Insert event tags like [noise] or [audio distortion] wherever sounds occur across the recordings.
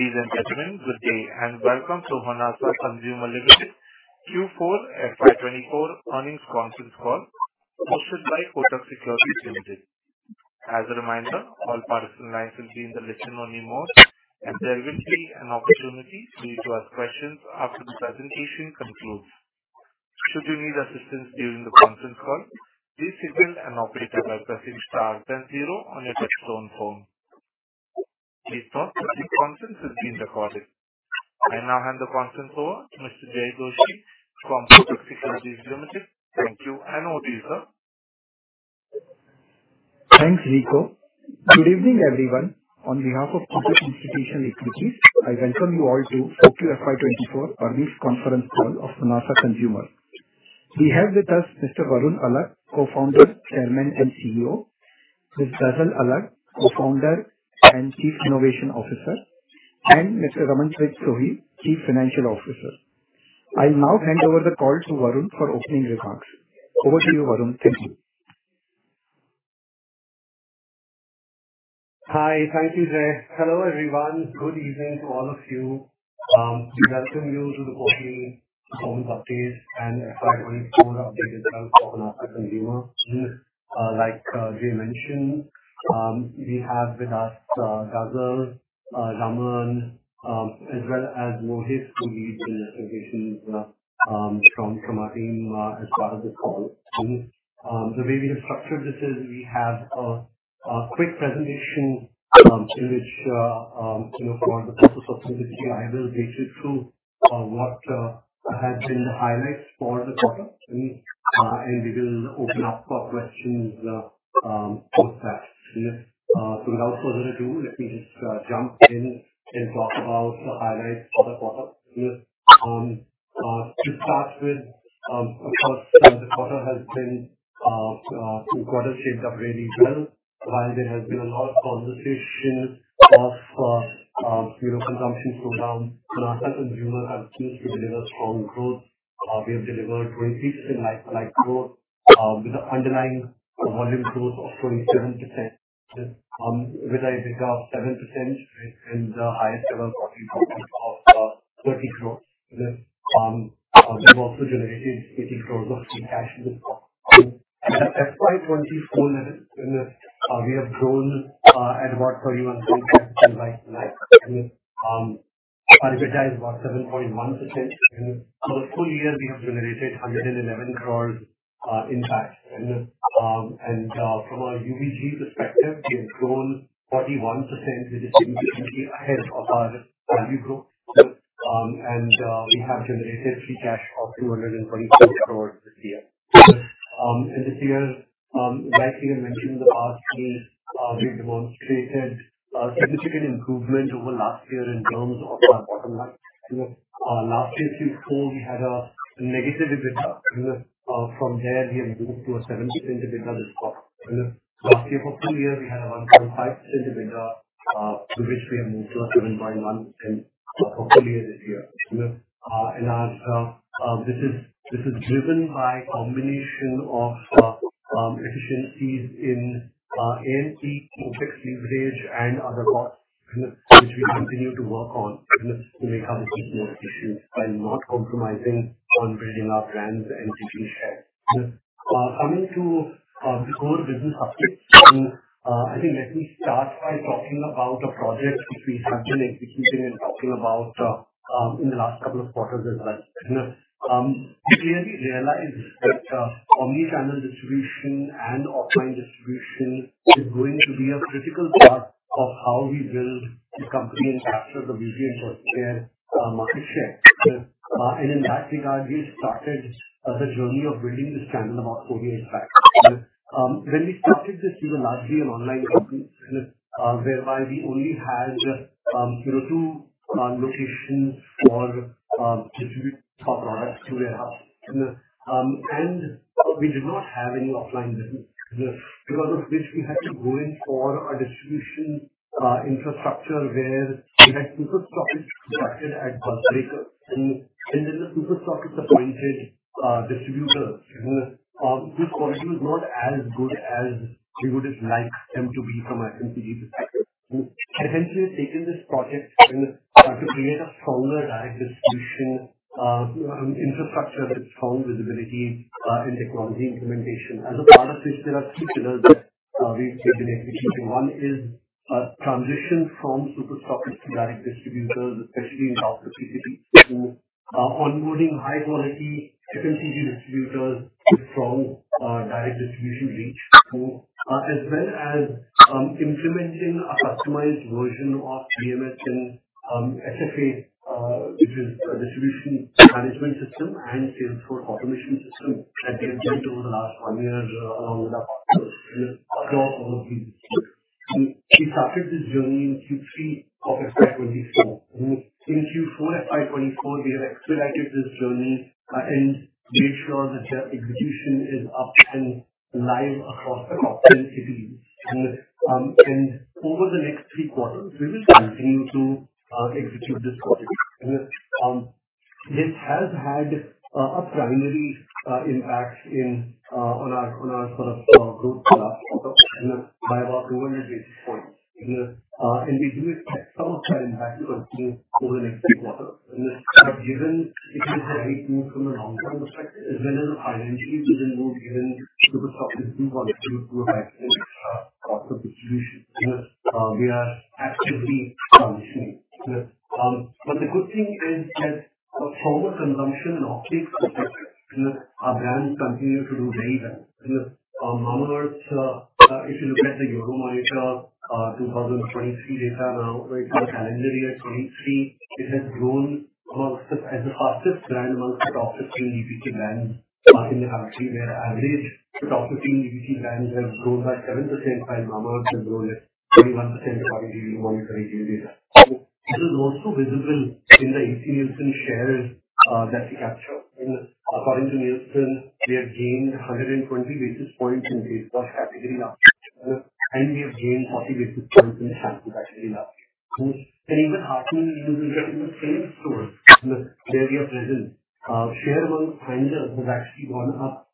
Ladies and gentlemen, good day, and welcome to Honasa Consumer Limited Q4 FY 2024 earnings conference call, hosted by Kotak Securities Limited. As a reminder, all participant lines will be in the listen-only mode, and there will be an opportunity for you to ask questions after the presentation concludes. Should you need assistance during the conference call, please signal an operator by pressing star then zero on your touchtone phone. Please note that the conference is being recorded. I now hand the conference over to Mr. Jay Doshi from Kotak Securities Limited. Thank you, and over to you, sir. Thanks, Nico. Good evening, everyone. On behalf of Kotak Institutional Equities, I welcome you all to Q4 FY24 earnings conference call of Honasa Consumer Limited. We have with us Mr. Varun Alagh, co-founder, chairman, and CEO; Ms. Ghazal Alagh, co-founder and chief innovation officer; and Mr. Ramanpreet Sohi, chief financial officer. I now hand over the call to Varun for opening remarks. Over to you, Varun. Thank you. Hi. Thank you, Jay. Hello, everyone. Good evening to all of you. We welcome you to the Q4 and FY 2024 update of Honasa Consumer. Like, Jay mentioned, we have with us Ghazal, Raman, as well as Mohit, who leads investor relations, from Honasa Consumer, as part of this call. The way we have structured this is we have a quick presentation, in which, you know, for the purpose of clarity, I will take you through what has been the highlights for the quarter. And we will open up for questions after that. So without further ado, let me just jump in and talk about the highlights for the quarter. To start with, of course, the quarter has been shaped up really well. While there has been a lot of conversation of, you know, consumption slowdown, Honasa Consumer has continued to deliver strong growth. We have delivered 20% like-for-like growth, with the underlying volume growth of 27%. With an EBITDA of 7%, and the highest ever operating profit of 30 crores. We've also generated 80 crores of free cash this quarter. FY 2024, in this, we have grown at about 31.5 like-for-like. EBITDA is about 7.1%. For the full year, we have generated 111 crores in cash. And from a UVG perspective, we have grown 41% with distribution ahead of our value growth. We have generated free cash of 224 crores this year. In this year, like we had mentioned in the past, we demonstrated a significant improvement over last year in terms of our bottom line. Last year, Q4, we had a negative EBITDA. From there, we have moved to a 7% EBITDA this quarter. Last year, for full year, we had a 1.5% EBITDA, to which we have moved to 7.1% for full year this year. And this is driven by a combination of efficiencies in A&P, OpEx usage, and other costs, which we continue to work on to make our business more efficient, by not compromising on building our brands and gaining share. Coming to the core business updates. I think let me start by talking about the projects which we have been executing and talking about in the last couple of quarters as well. We clearly realized that omni-channel distribution and offline distribution is going to be a critical part of how we build the company and capture the beauty and personal care market share. And in that regard, we started the journey of building this channel about four years back. When we started this, we were largely an online company, whereby we only had, you know, two locations for distribute our products to warehouse. And we did not have any offline presence, because of which we had to go in for a distribution infrastructure, where we had super stockists structured as bulk breakers. And then the super stockists appointed distributors. This quality was not as good as we would've liked them to be from an FMCG perspective. We've essentially taken this project to create a stronger direct distribution infrastructure with strong visibility and technology implementation. As a part of this, there are three pillars that we've been executing. One is transition from super stockists to direct distributors, especially in Top 50 Cities. Onboarding high-quality FMCG distributors with strong direct distribution reach. As well as implementing a customized version of DMS and SFA, which is a Distribution Management System and Sales Force Automation system, that we have built over the last one year along with our partners. Across all of these, we started this journey in Q3 of FY 2024. In Q4 FY 2024, we have expedited this journey, and made sure that the execution is up and live across the top 10 cities. Over the next three quarters, we will continue to execute this project. This has had a preliminary impact on our sort of group by about 200 basis points. We do expect some of that impact over the next few quarters. Given it is the right move from a long-term perspective, as well as our energies, within move, given super profitability, contribution across the distribution, we are actively transitioning. But the good thing is that for total consumption and optics perspective, our brands continue to do very well. Mamaearth, if you look at the Euromonitor, 2023 data, now, for the calendar year 2023, it has grown amongst the as the fastest brand amongst the top 15 FMCG brands in the country, where average top 15 FMCG brands have grown by 7%, while Mamaearth has grown at 21% according to the 2023 data. It is also visible in the AC Nielsen shares, that we capture. And according to Nielsen, we have gained 120 basis points in face wash category last year, and we have gained 40 basis points in shampoo category last year. And even halfway into the same stores where we are present, share amongst face wash has actually gone up,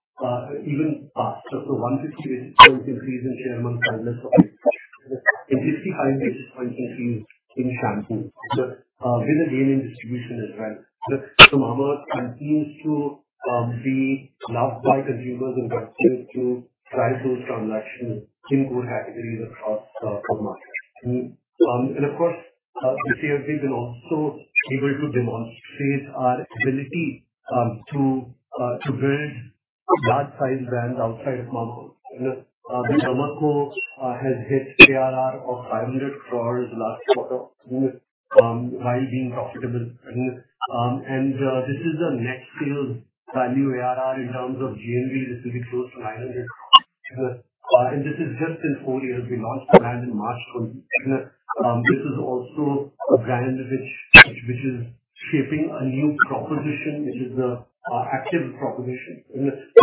even faster. So 150 basis points increase in share amongst face wash, and 55 basis points increase in shampoo. So, with a gain in distribution as well. So Mamaearth continues to be loved by consumers and continues to drive those transactions in both categories across all markets. And of course, we have been also able to demonstrate our ability to build large-sized brands outside of Derma Co. has hit ARR of 500 crores last quarter while being profitable. And this is a net sales value ARR in terms of GMV, this will be close to 900. And this is just in four years. We launched the brand in March 2020. This is also a brand which is shaping a new proposition. It is an active proposition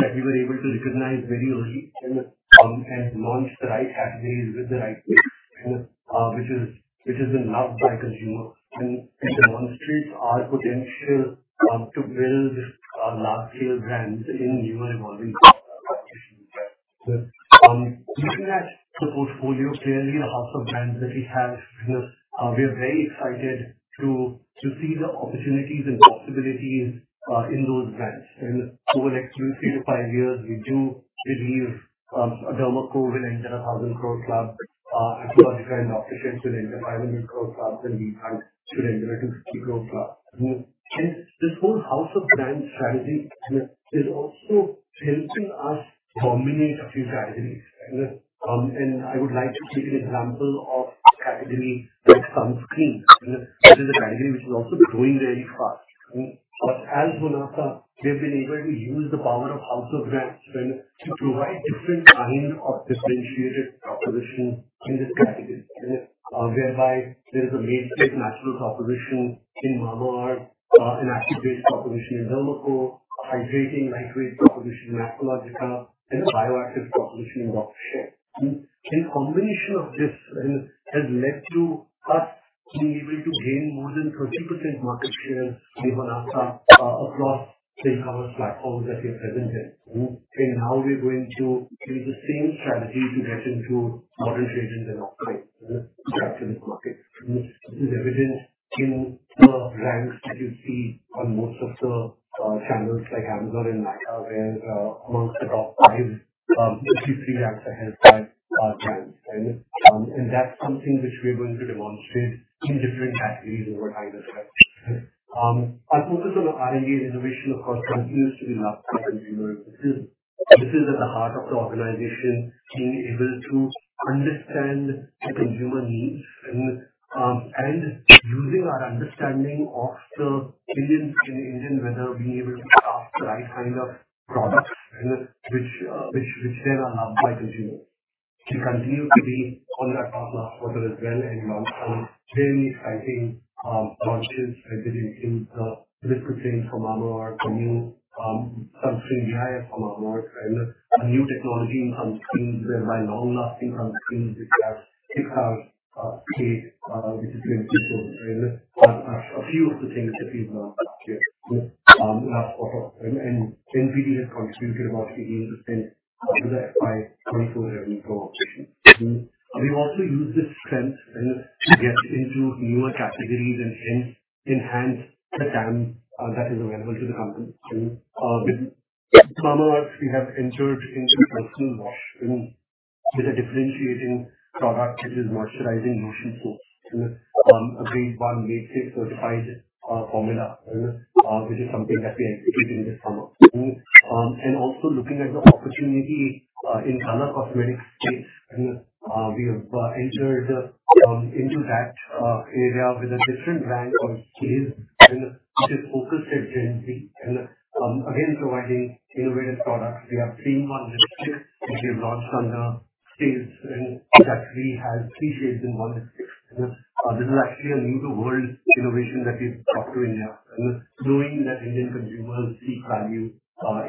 that we were able to recognize very early and launch the right categories with the right fit, which is being loved by consumers. It demonstrates our potential to build large-scale brands in newer, evolving, looking at the portfolio, clearly the house of brands that we have, we are very excited to see the opportunities and possibilities in those brands. Over the next 3-5 years, we do Derma Co. will enter INR 1,000 crore club, Aqualogica and Dr. Sheth's should enter INR 500 crore club, and BBlunt should enter 250 crore club. This whole house of brands strategy is also helping us dominate a few categories, and I would like to take an example of category like sunscreen. This is a category which is also growing very fast. But as Honasa, we have been able to use the power of House of Brands and to provide different kinds of differentiated propositions in this category. Whereby there's a mainstream natural proposition in Mamaearth, an acid-based Derma Co., hydrating lightweight proposition in Aqualogica, and a bio-active proposition in Dr. Sheth's. Combination of this has led to us being able to gain more than 20% market share in Honasa, across the e-commerce platforms that we are present in. Now we're going to use the same strategy to get into Modern Trade and offline channels in the market. This is evident in the ranks that you see on most of the channels like Amazon and Nykaa, where amongst the top five, three ranks are held by our brands. That's something which we are going to demonstrate in different categories over time as well. Our focus on R&D and innovation, of course, continues to be loved by consumers. This is at the heart of the organization, being able to understand the consumer needs, and using our understanding of the Indian weather, being able to craft the right kind of products, and which are loved by consumers. We continue to be on that top last quarter as well, and launched some very exciting launches, I believe, in the lip routine from Mamaearth, a new sunscreen SPF from Mamaearth, and a new technology in sunscreens, whereby long-lasting sunscreens, which has tick out. [audio distortion] A few of the things that we've launched last year. And then we have contributed about 18% to the FY 2024 revenue growth. We've also used this strength to get into newer categories and enhance the TAM that is available to the company. With Mamaearth, we have entered into personal wash with a differentiating product, which is Moisturizing Lotion Soap, a green one Made Safe certified formula, which is something that we are executing this summer. And also looking at the opportunity in color cosmetics space, we have entered into that area with a different brand called Staze. And this is focused at Gen Z, and again, providing innovative products. We have seen one lipstick which we've launched on the Staze, and it actually has three shades in one lipstick. This is actually a new to world innovation that we've brought to India, and knowing that Indian consumers seek value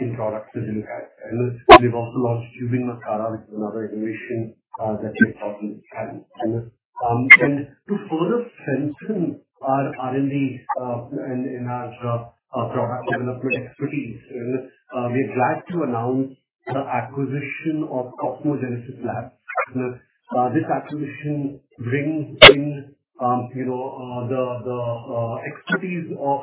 in products that they look at. We've also launched tubing mascara, which is another innovation that we've brought to the channel. To further strengthen our R&D in our product development expertise, we're glad to announce the acquisition of Cosmogenesis Labs. This acquisition brings in, you know, the expertise of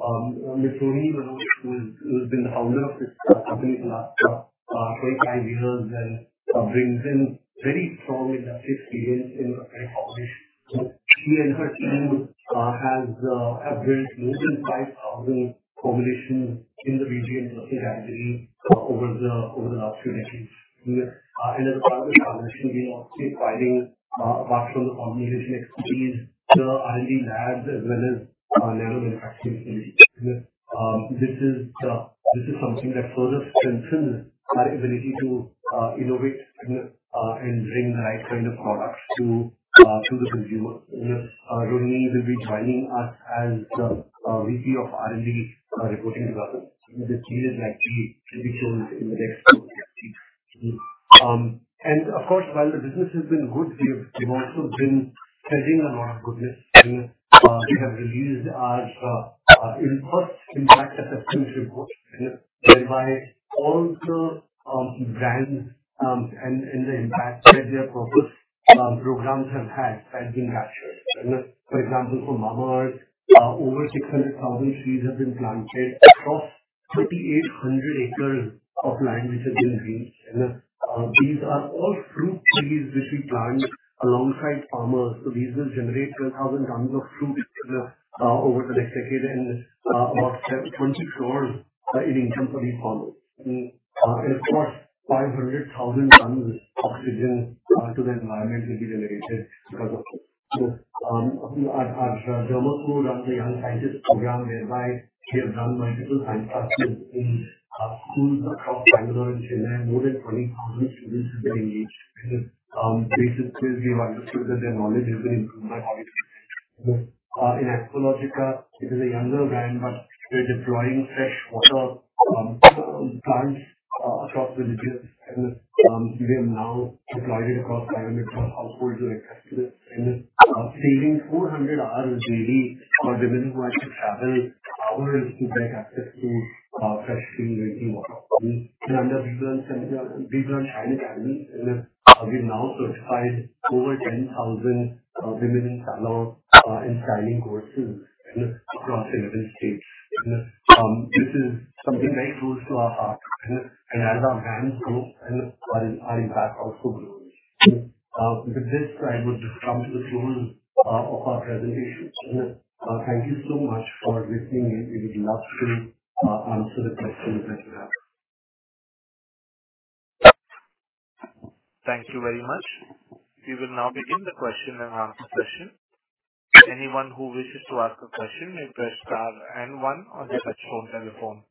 Rohini Manoj, who has been the founder of this company for the last 25 years, and brings in very strong industry experience in hair formulation. She and her team have built more than 5,000 formulations in the region of hair category over the last few decades. Yes. And as part of the transaction, we are also acquiring, apart from the formulation expertise, the R&D labs, as well as our level manufacturing facility. This is something that further strengthens our ability to innovate and bring the right kind of products to the consumer. Rohini Manoj will be joining us as VP of R&D, reporting to Gaurav. This change will actually be effective in the next few weeks. And of course, while the business has been good, we've also been sharing a lot of goodness. And we have released our impact assessment report, whereby all the brands and the impact that their purpose programs have had has been measured. For example, for Mamaearth, over 600,000 trees have been planted across 3,800 acres of land which have been green. These are all fruit trees which we plant alongside farmers, so these will generate 12,000 tons of fruit over the next decade, and about 20 crore in income for these farmers. Of course, 500,000 tons of oxygen to the environment will be related because of this. Our Derma School and the Young Scientist Program, whereby we have done multiple workshops in schools across Bengaluru and Chennai, more than 20,000 students have been engaged. Recently we've understood that their knowledge has been improved by quite a bit. In Aqualogica, it is a younger brand, but we're deploying fresh water plants across the regions. We have now deployed it across 500,000 households who access this, saving 400 hours daily for women who have to travel hours to get access to fresh clean drinking water. Under BBlunt Shine Academy, we've now certified over 10,000 women in salon and styling courses across 8 different states. This is something very close to our heart, and as our brands grow and our impact also grows. With this, I would just come to the close of our presentation. Thank you so much for listening. We would love to answer the questions that you have. Thank you very much. We will now begin the Q&A session. Anyone who wishes to ask a question may press star and one on their touch-tone telephone.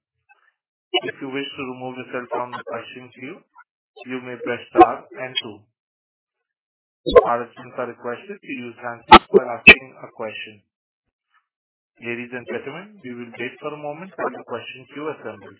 If you wish to remove yourself from the questioning queue, you may press star and two. Our agents are requested to use hands free when asking a question. Ladies and gentlemen, we will wait for a moment for the question queue assembly.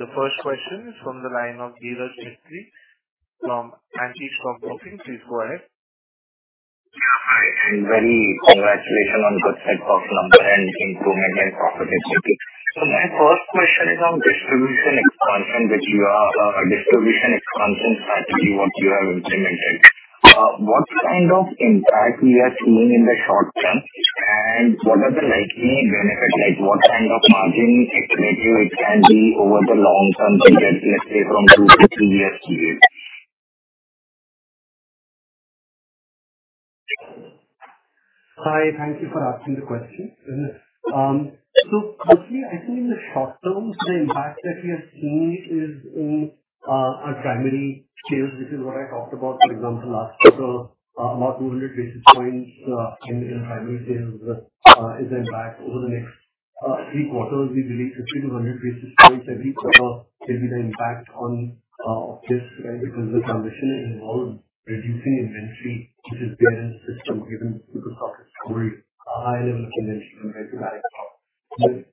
The first question is from the line of Dhiraj Mistry from Antique Stock Broking. Please go ahead. Hi, and very congratulations on good set of numbers and improvement in profitability. So my first question is on distribution expansion, which you are, distribution expansion strategy, what you have implemented. What kind of impact we are seeing in the short term, and what are the likely benefits? Like, what kind of margin accretive it can be over the long term, let's say, from two to three years period? Hi, thank you for asking the question. So firstly, I think in the short term, the impact that we have seen is in our primary sales, which is what I talked about. For example, last quarter, about 200 basis points in primary sales is impacted over the next three quarters. We believe 50-100 basis points every quarter will be the impact on this, because the transition involved reducing inventory, which is there in the system, given super stockist is carrying a high level of inventory compared to the rest.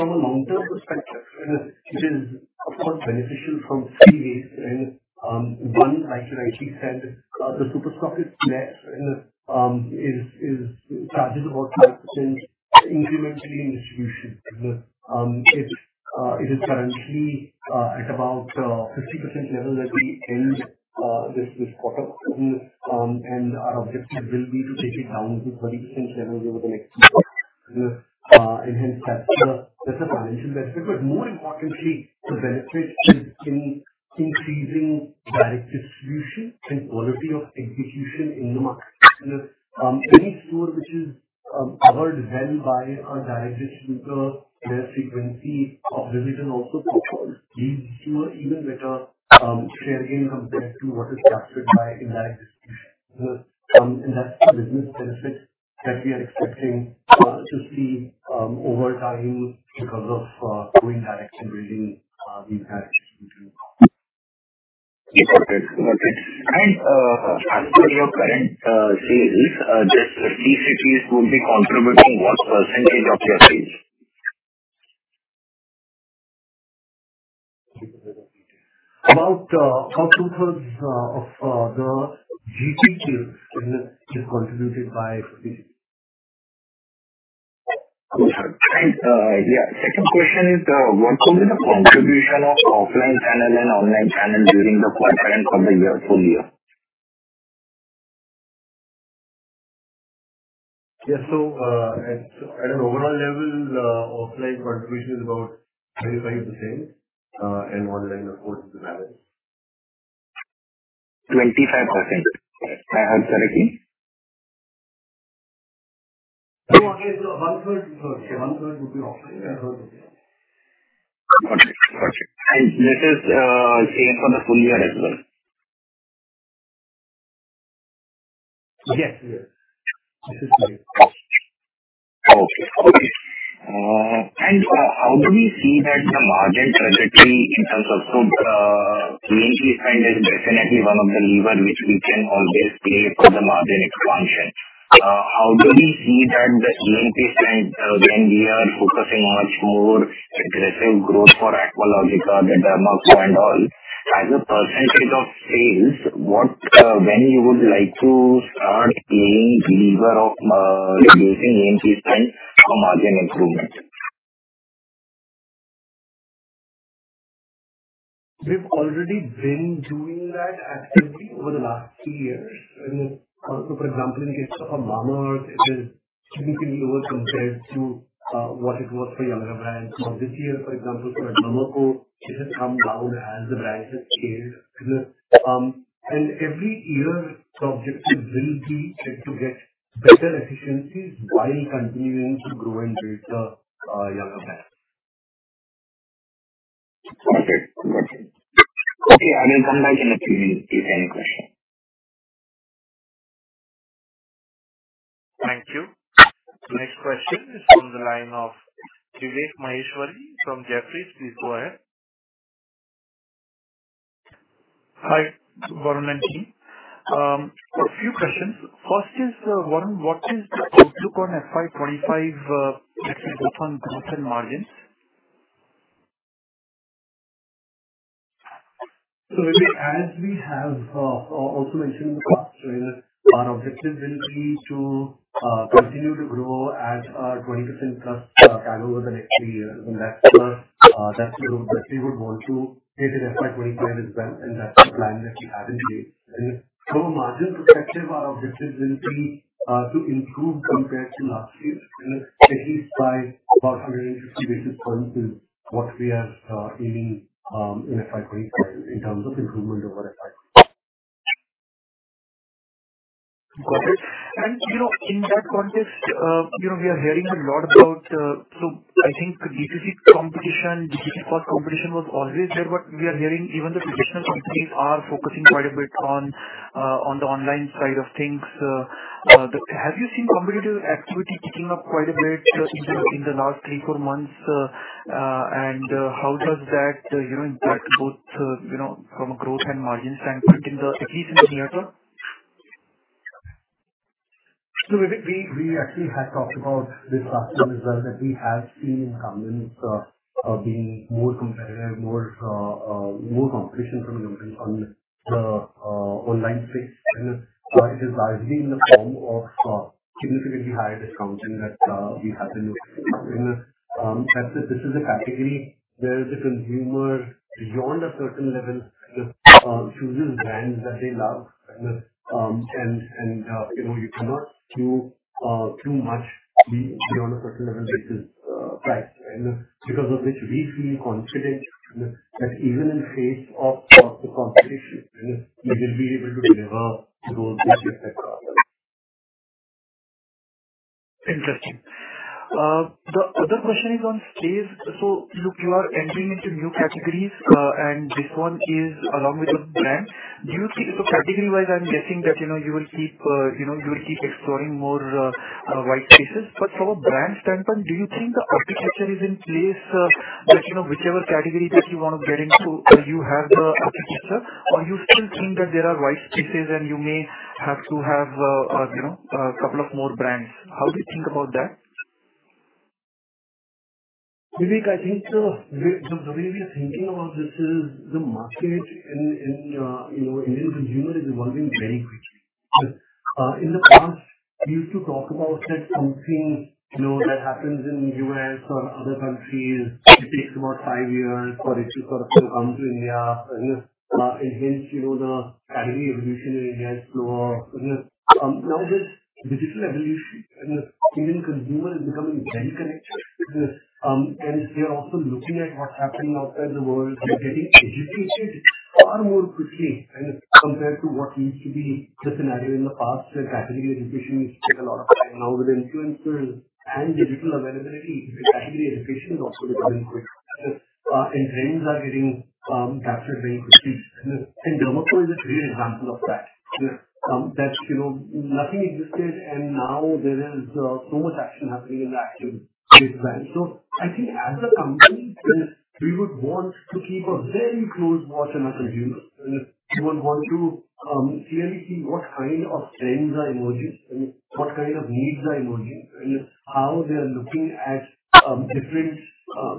From a long-term perspective, it is of course beneficial from three ways. One, like I actually said, the super stockist network charges about 5% incrementally in distribution. It's currently at about 50% level that we end this quarter. And our objective will be to take it down to 30% level over the next, and hence, that's a financial benefit. But more importantly, the benefit is in increasing direct distribution and quality of execution in the market. Any store which is covered well by our direct distributor, their frequency of visits and also performance is sure even better, share gain compared to what is captured by indirect distribution. And that's the business benefit that we are expecting to see over time because of going direct and building these distribution. Okay, perfect. And, as per your current sales, just the GTs would be contributing what percentage of your sales? About 2/3s of the GT is contributed by. [audio distortion] Got it. And, yeah, second question is, what will be the contribution of offline channel and online channel during the current year, full year? Yeah. So, at an overall level, offline contribution is about 25%, and online, of course, is the balance. 25%? I'm sorry. Okay, so 1/3, so 1/3 would be offline and 1/3 would be online. Got you. Got you. And that is, same for the full year as well? Yes. Yes, this is right. Okay. And how do you see that the margin trajectory in terms of, so we find is definitely one of the lever which we can always play for the margin expansion. How do we see that the A&P spend when we are focusing much more aggressive growth Derma Co. and all, as a percentage of sales, what, when you would like to start playing lever of reducing A&P spend for margin improvement? We've already been doing that actively over the last three years. And so, for example, in the case of Mamaearth, it is significantly lower compared to what it was for the other brands. For this year, The Derma Co., it has come down as the brand has scaled. And every year, our objective will be to get better efficiencies while continuing to grow and build the other brands. Got it. Got it. Okay, I will come back in a few minutes if any question. Thank you. Next question is from the line of Vivek Maheshwari from Jefferies. Please go ahead. Hi, Varun and team. A few questions. First is, Varun, what is the outlook on FY 2025, actually both on growth and margins? So as we have also mentioned in the past, our objective will be to continue to grow at 20%+ CAGR over the next three years. And that's the that's the growth that we would want to get it up by FY 2025 as well, and that's the plan that we have in place. And from a margin perspective, our objectives will be to improve compared to last year, at least by about 150 basis points, is what we are aiming in FY 2025 in terms of improvement over FY. Got it. And, you know, in that context, you know, we are hearing a lot about, so I think DTC competition, DTC cost competition was always there, but we are hearing even the traditional companies are focusing quite a bit on, on the online side of things. Have you seen competitive activity ticking up quite a bit in the, in the last 3, 4 months? And, how does that, you know, impact both, you know, from a growth and margins standpoint, in the, at least in the near term? So we actually had talked about this last time as well, that we have seen incumbents being more competitive, more competition from incumbents on the online space. And so it is largely in the form of significantly higher discounting that we have been looking in. And this is a category where the consumer, beyond a certain level, chooses brands that they love. And you know, you cannot do too much beyond a certain level, which is price. And because of which, we feel confident that even in face of the competition, we will be able to deliver growth this year as well. Interesting. The other question is on space. So look, you are entering into new categories, and this one is along with the brand. Do you think category-wise, I'm guessing that, you know, you will keep, you know, you will keep exploring more, white spaces. But from a brand standpoint, do you think the architecture is in place, that, you know, whichever category that you want to get into, you have the architecture? Or you still think that there are white spaces and you may have to have, you know, a couple of more brands. How do you think about that? ... Vivek, I think the way we are thinking about this is the market in, you know, Indian consumer is evolving very quickly. In the past, we used to talk about that something, you know, that happens in U.S. or other countries, it takes about five years for it to sort of come to India. And hence, you know, the category evolution in India is slower. Now this digital evolution and the Indian consumer is becoming very connected. And they're also looking at what's happening outside the world. They're getting educated far more quickly and compared to what used to be the scenario in the past, that category education used to take a lot of time. Now, with influencers and digital availability, category education has also become quick, and trends are getting captured very quickly. Derma Co. is a great example of that. That, you know, nothing existed, and now there is so much action happening in that actual space brand. So I think as a company, we would want to keep a very close watch on our consumers, and we would want to clearly see what kind of trends are emerging and what kind of needs are emerging, and how they are looking at different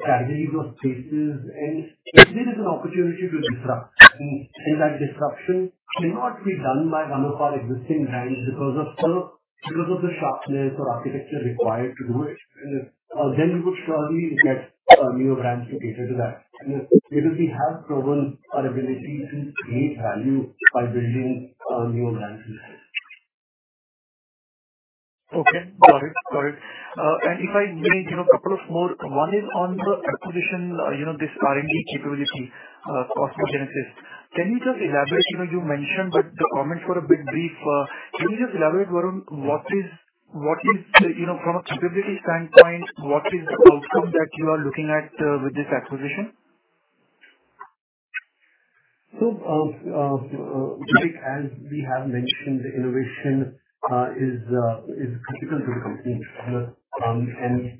categories or spaces. And if there is an opportunity to disrupt, and that disruption cannot be done by one of our existing brands because of the because of the sharpness or architecture required to do it, and then we would surely get newer brands to cater to that. And because we have proven our ability to create value by building newer brands. Okay, got it. Got it. And if I may, you know, couple of more. One is on the acquisition, you know, this R&D capability, CosmoGenesis. Can you just elaborate? You know, you mentioned, but the comment was a bit brief. Can you just elaborate, Varun, what is, you know, from a capability standpoint, what is the outcome that you are looking at, with this acquisition? Vivek, as we have mentioned, innovation is critical to the company.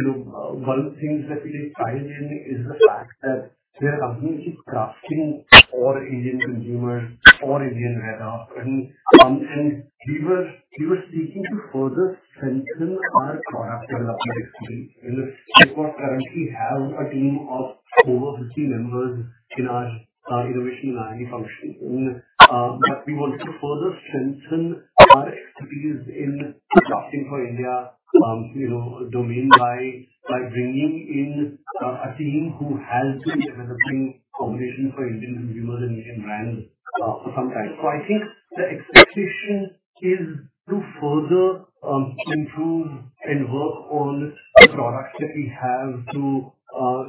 You know, one of the things that we are finding is the fact that we are actually crafting for Indian consumers, for Indian weather. We were seeking to further strengthen our product development experience, and we currently have a team of over 50 members in our innovation R&D function. But we wanted to further strengthen our expertise in crafting for India, you know, domain by bringing in a team who has been developing combinations for Indian consumers and Indian brands, for some time. So I think the expectation is to further improve and work on the products that we have to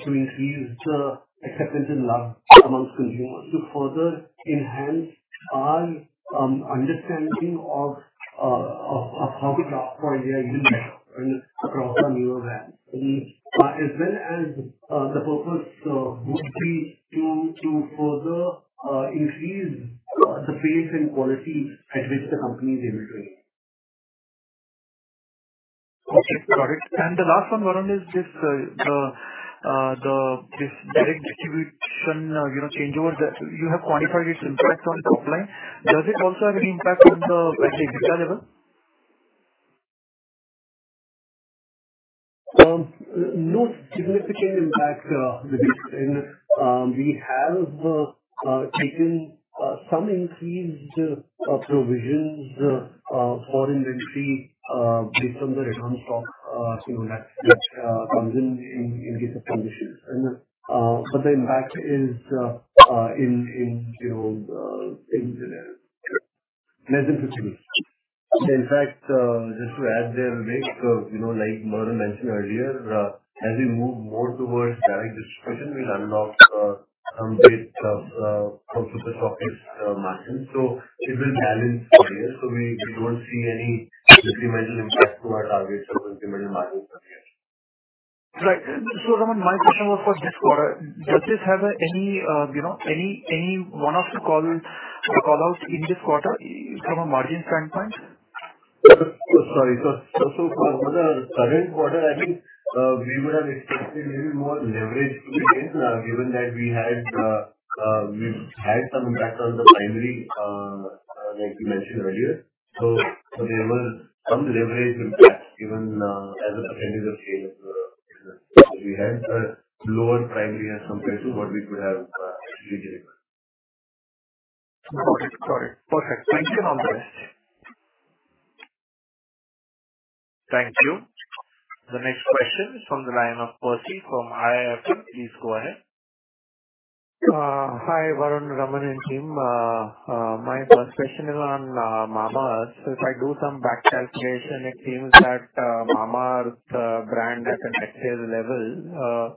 increase the acceptance and love amongst consumers, to further enhance our understanding of how we craft for India even better and across our newer brands. And as well as the purpose would be to further increase the pace and quality at which the company is innovating. Okay, got it. And the last one, Varun, is this direct distribution, you know, changeovers, that you have quantified its impact on the top line. Does it also have any impact on the, actually, EBITDA level? No significant impact, Vivek. We have taken some increased provisions for inventory based on the return stock, you know, that comes in in case of conditions. But the impact is, you know, less than INR 50. In fact, just to add there, Vivek, you know, like Varun mentioned earlier, as we move more towards direct distribution, we'll unlock some bit of from the topics margin. So it will balance for you. So we don't see any incremental impact to our targets or incremental margin. Right. So Raman, my question was for this quarter. Does this have, any, you know, any, any one-off call, call-outs in this quarter from a margin standpoint? Sorry. So for the current quarter, I think we would have expected maybe more leverage to be gained, given that we've had some impact on the primary, like you mentioned earlier. So there was some leverage impact even as a percentage of sales. We had a lower primary as compared to what we could have delivered. Got it. Got it. Perfect. Thank you, on the rest. Thank you. The next question is from the line of Percy from IIFL. Please go ahead. Hi, Varun, Raman, and team. My first question is on Mamaearth. So if I do some back calculation, it seems that Mamaearth brand at the net sales level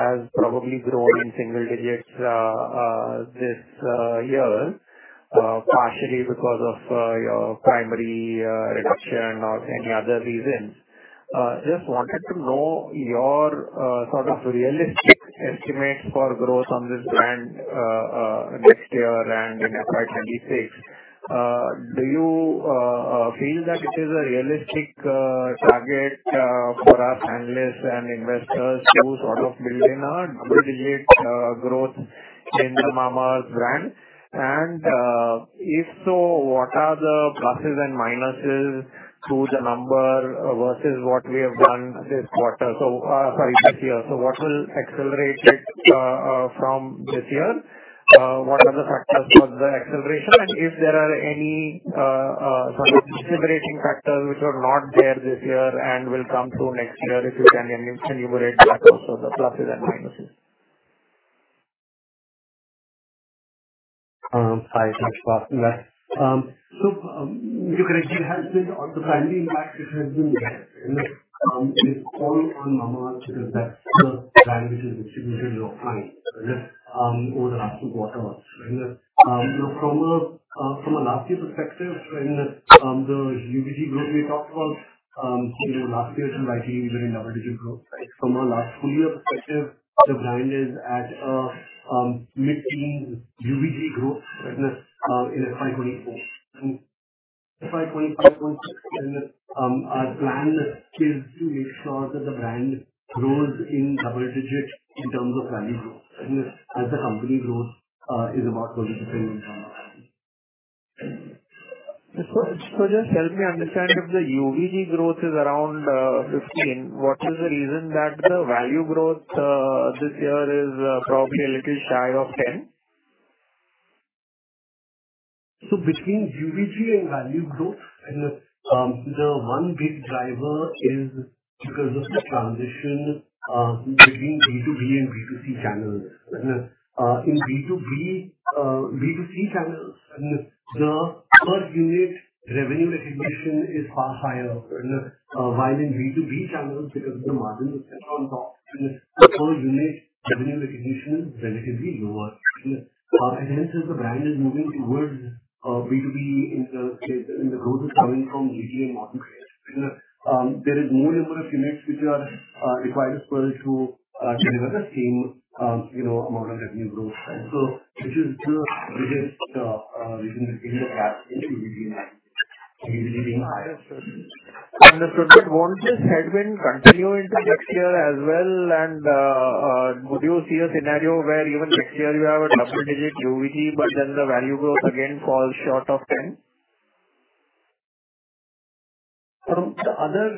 has probably grown in single digits this year, partially because of your primary reduction or any other reasons. Just wanted to know your sort of realistic estimates for growth on this brand next year and in FY 2026. Do you feel that it is a realistic target for us analysts and investors to sort of build in a double digit growth in the Mamaearth brand? And, if so, what are the pluses and minuses to the number versus what we have done this quarter? So, sorry, this year. So what will accelerate it from this year? What are the factors for the acceleration, and if there are any sort of decelerating factors which were not there this year and will come through next year? If you can enumerate that, also, the pluses and minuses. Hi, thanks for asking that. So, you're correct. It has been on the branding impact, it has been there, and it is all on Mamaearth, because that's the brand which is distributed in GT, right? Over the last two quarters. From a last year perspective and the UVG growth we talked about, you know, last year's was likely during double-digit growth, right? From a last full year perspective, the brand is at a mid-teen UVG growth right now in FY 2024. And FY 2025, 16, and our plan is to make sure that the brand grows in double digits in terms of value growth, and as the company grows is about double-digit growth. So, just help me understand, if the UVG growth is around 15, what is the reason that the value growth this year is probably a little shy of 10? So between UVG and value growth, and the one big driver is because of the transition between B2B and B2C channels. And in B2B, B2C channels, and the per unit revenue recognition is far higher, and while in B2B channels, because of the margin on top, and per unit revenue recognition is relatively lower. And hence, as the brand is moving towards B2B in the growth is coming from B2B marketplace. And there is more number of units which are required per to deliver the same, you know, amount of revenue growth. And so this is the reason the capacity will be high. Understood, but won't this headwind continue into next year as well, and, would you see a scenario where even next year you have a double-digit UVG, but then the value growth again falls short of ten? The other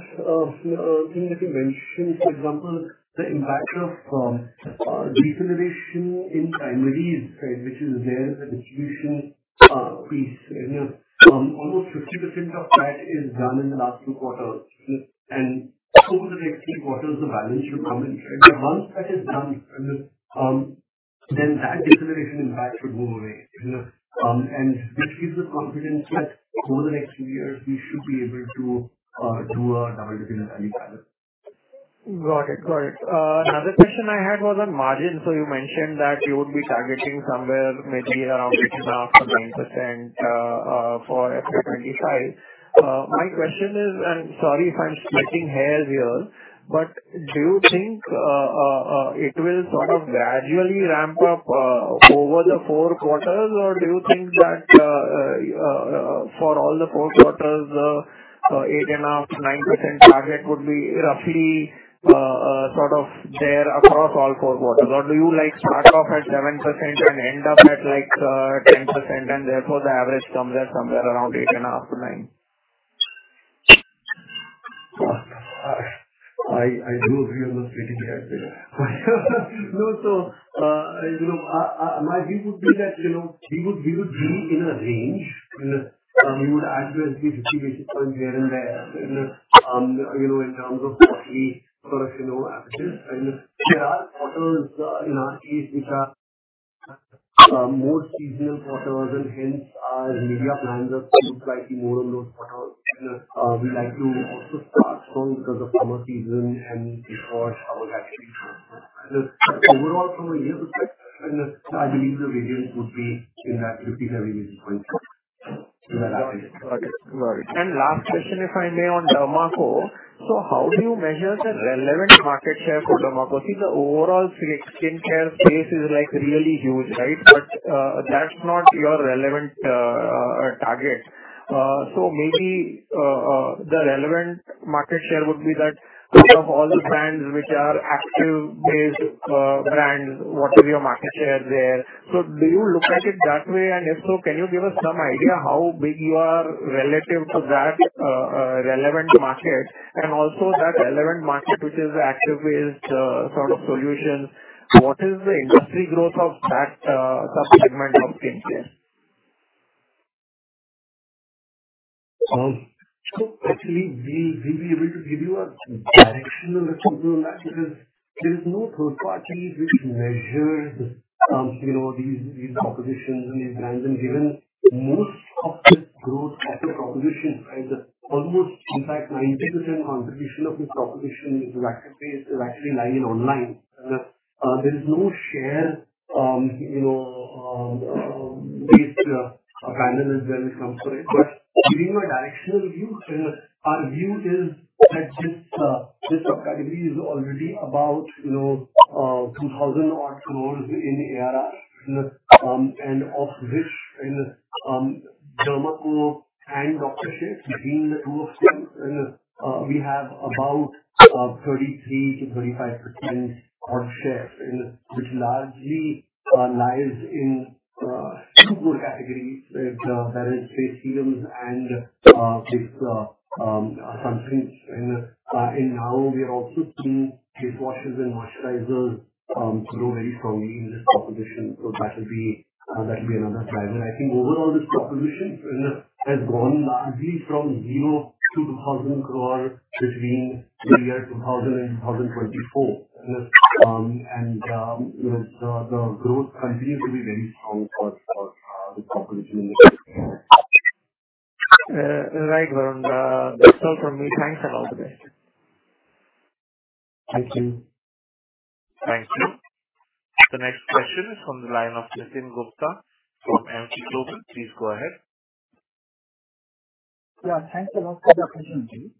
thing that you mentioned, for example, the impact of deceleration in primaries, right, which is there at the distribution piece. Almost 50% of that is done in the last two quarters. And over the next three quarters, the balance should come in. And once that is done, and then that deceleration impact should go away. And which gives us confidence that over the next few years, we should be able to do a double-digit value growth. Got it, got it. Another question I had was on margin. So you mentioned that you would be targeting somewhere maybe around 8.5%-9% for FY 2025. My question is, and sorry if I'm splitting hairs here, but do you think it will sort of gradually rA&P up over the four quarters? Or do you think that for all the four quarters, 8.5%-9% target would be roughly sort of there across all four quarters? Or do you, like, start off at 7% and end up at, like, 10%, and therefore, the average comes at somewhere around 8.5%-9%? I do agree on the splitting hairs there. No, so, you know, my view would be that, you know, we would be in a range, and we would add 50-50 basis points here and there. And, you know, in terms of what we sort of know, and there are quarters in our case, which are more seasonal quarters, and hence our media plans are slightly more on those quarters. And we like to also start strong because of summer season and before our holiday. But overall, through the year, and I believe the variance would be in that 50-70 basis points. Got it, got it. And last question, if The Derma Co. so how do you measure the relevant The Derma Co.? see, the overall skin care space is, like, really huge, right? But, that's not your relevant target. So maybe, the relevant market share would be that of all the brands which are active-based, brands, what is your market share there? So do you look at it that way? And if so, can you give us some idea how big you are relative to that, relevant market? And also that relevant market, which is active-based, sort of solutions, what is the industry growth of that, subsegment of skin care? So actually, we'll be able to give you a directional view on that, because there's no third party which measures, you know, these propositions and these brands. And given most of the growth at the proposition, right, almost in fact, 90% contribution of this proposition is actually lying online. There is no share, you know, which brand is well when it comes to it. But giving a directional view, our view is that this subcategory is already about, you know, 2,000 crore in the ARR. And of Derma Co. and Dr. Sheth's, between the two of them, we have about 33%-35% of share. Which largely lies in two more categories, like, that is face serums and this sunscreen. And now we are also seeing face washes and moisturizers grow very strongly in this proposition. So that will be another driver. I think overall, this proposition and has grown largely from zero to 2,000 crore between the year 2000 and 2024. And you know, the growth continues to be very strong for the proposition. Right, Varun. That's all from me. Thanks and have a good day. Thank you. Thank you. The next question is from the line of Nitin Gupta from Emkay Global. Please go ahead. Yeah, thanks a lot for the opportunity.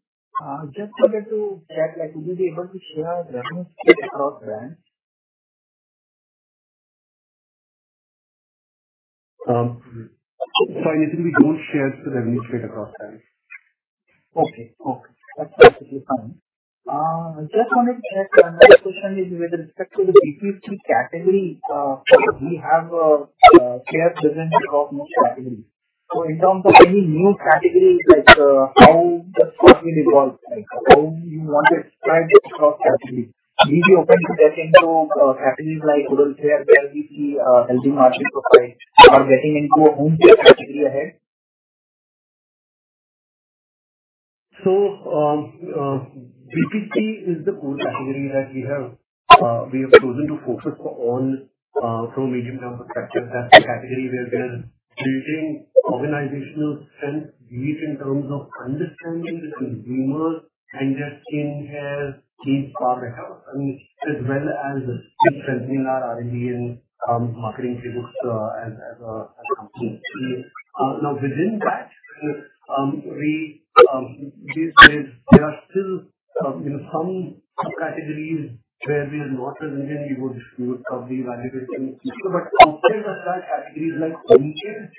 Just wanted to check, like, would you be able to share revenue split across brands? So, I usually don't share the revenue split across brands. Okay. Okay, that's absolutely fine. Just wanted to check, my next question is with respect to the BPC category. We have a clear presence across most categories. So in terms of any new categories, like, how the company evolves, like, how you want to expand across categories. Will you be open to getting to categories like oral care, where we see healthy margin profiles or getting into home care category ahead? BPC is the core category that we have chosen to focus on from medium-term perspective. That's the category where we are building organizational strength, deep in terms of understanding the consumers and their skin care needs for the health, and as well as strengthening our R&D and marketing capabilities, as a company. Now, within that, we are still in some categories where we are not present, and we would evaluate them. But outside of that, categories like oral care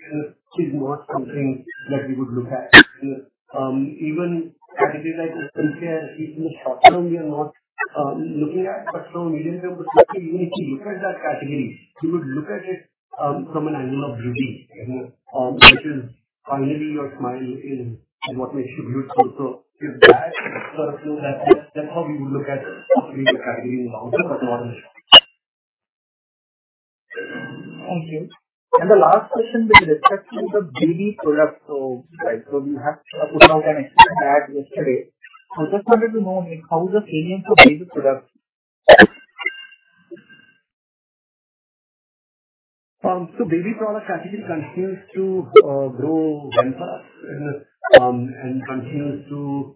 is not something that we would look at. Even categories like personal care, at least in the short term, we are not looking at, but from medium term perspective, when we look at that category, we would look at it from an angle of beauty, which is finally your smile is what makes you beautiful. So if that sort of, that, that's how we would look at possibly the category in the longer, but not in the short term. Thank you. And the last question with respect to the baby products. So, like, so you have put out an ad yesterday. I just wanted to know, I mean, how is the premium for baby products? Baby product category continues to grow well for us, and continues to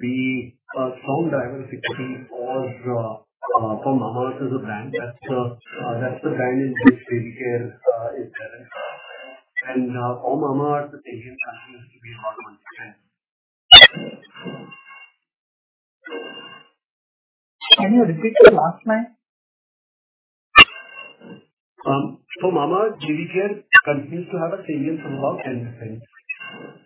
be a strong driver of 64 for Mamaearth as a brand. That's the brand in which baby care is present. All Mamaearth continues to be about 10. Can you repeat the last line? Mamaearth baby care continues to have a premium of about 10%. Okay. Okay. Thanks a lot.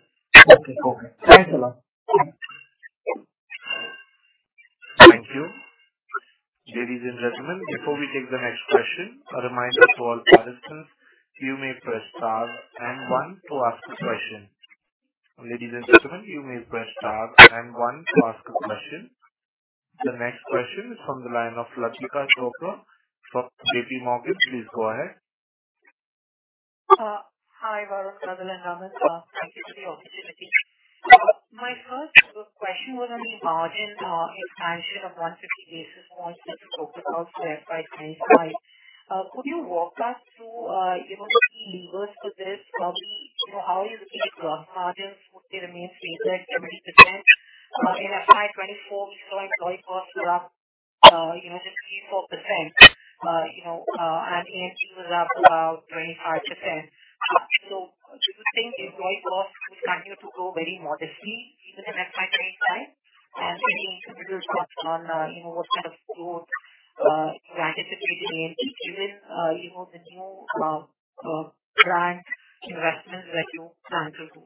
Thank you. Ladies and gentlemen, before we take the next question, a reminder to all participants, you may press star and one to ask a question. Ladies and gentlemen, you may press star and one to ask a question. The next question is from the line of Latika Chopra from JPMorgan. Please go ahead. Hi, Varun, Ghazal, and Raman. Thank you for the opportunity. My first question was on the margin expansion of 150 basis points, which you talked about thereby FY 2025. Could you walk us through, you know, the key levers for this? Probably, you know, how is it, margins would remain stable at 20%? In FY 2024, we saw employee costs were up, you know, just 3%-4%, you know, and A&P was up about 25%. So do you think employee costs will continue to grow very modestly even in FY 2025? And any additional thoughts on, you know, what kind of growth you anticipate in A&P given, you know, the new brand investments that you plan to do?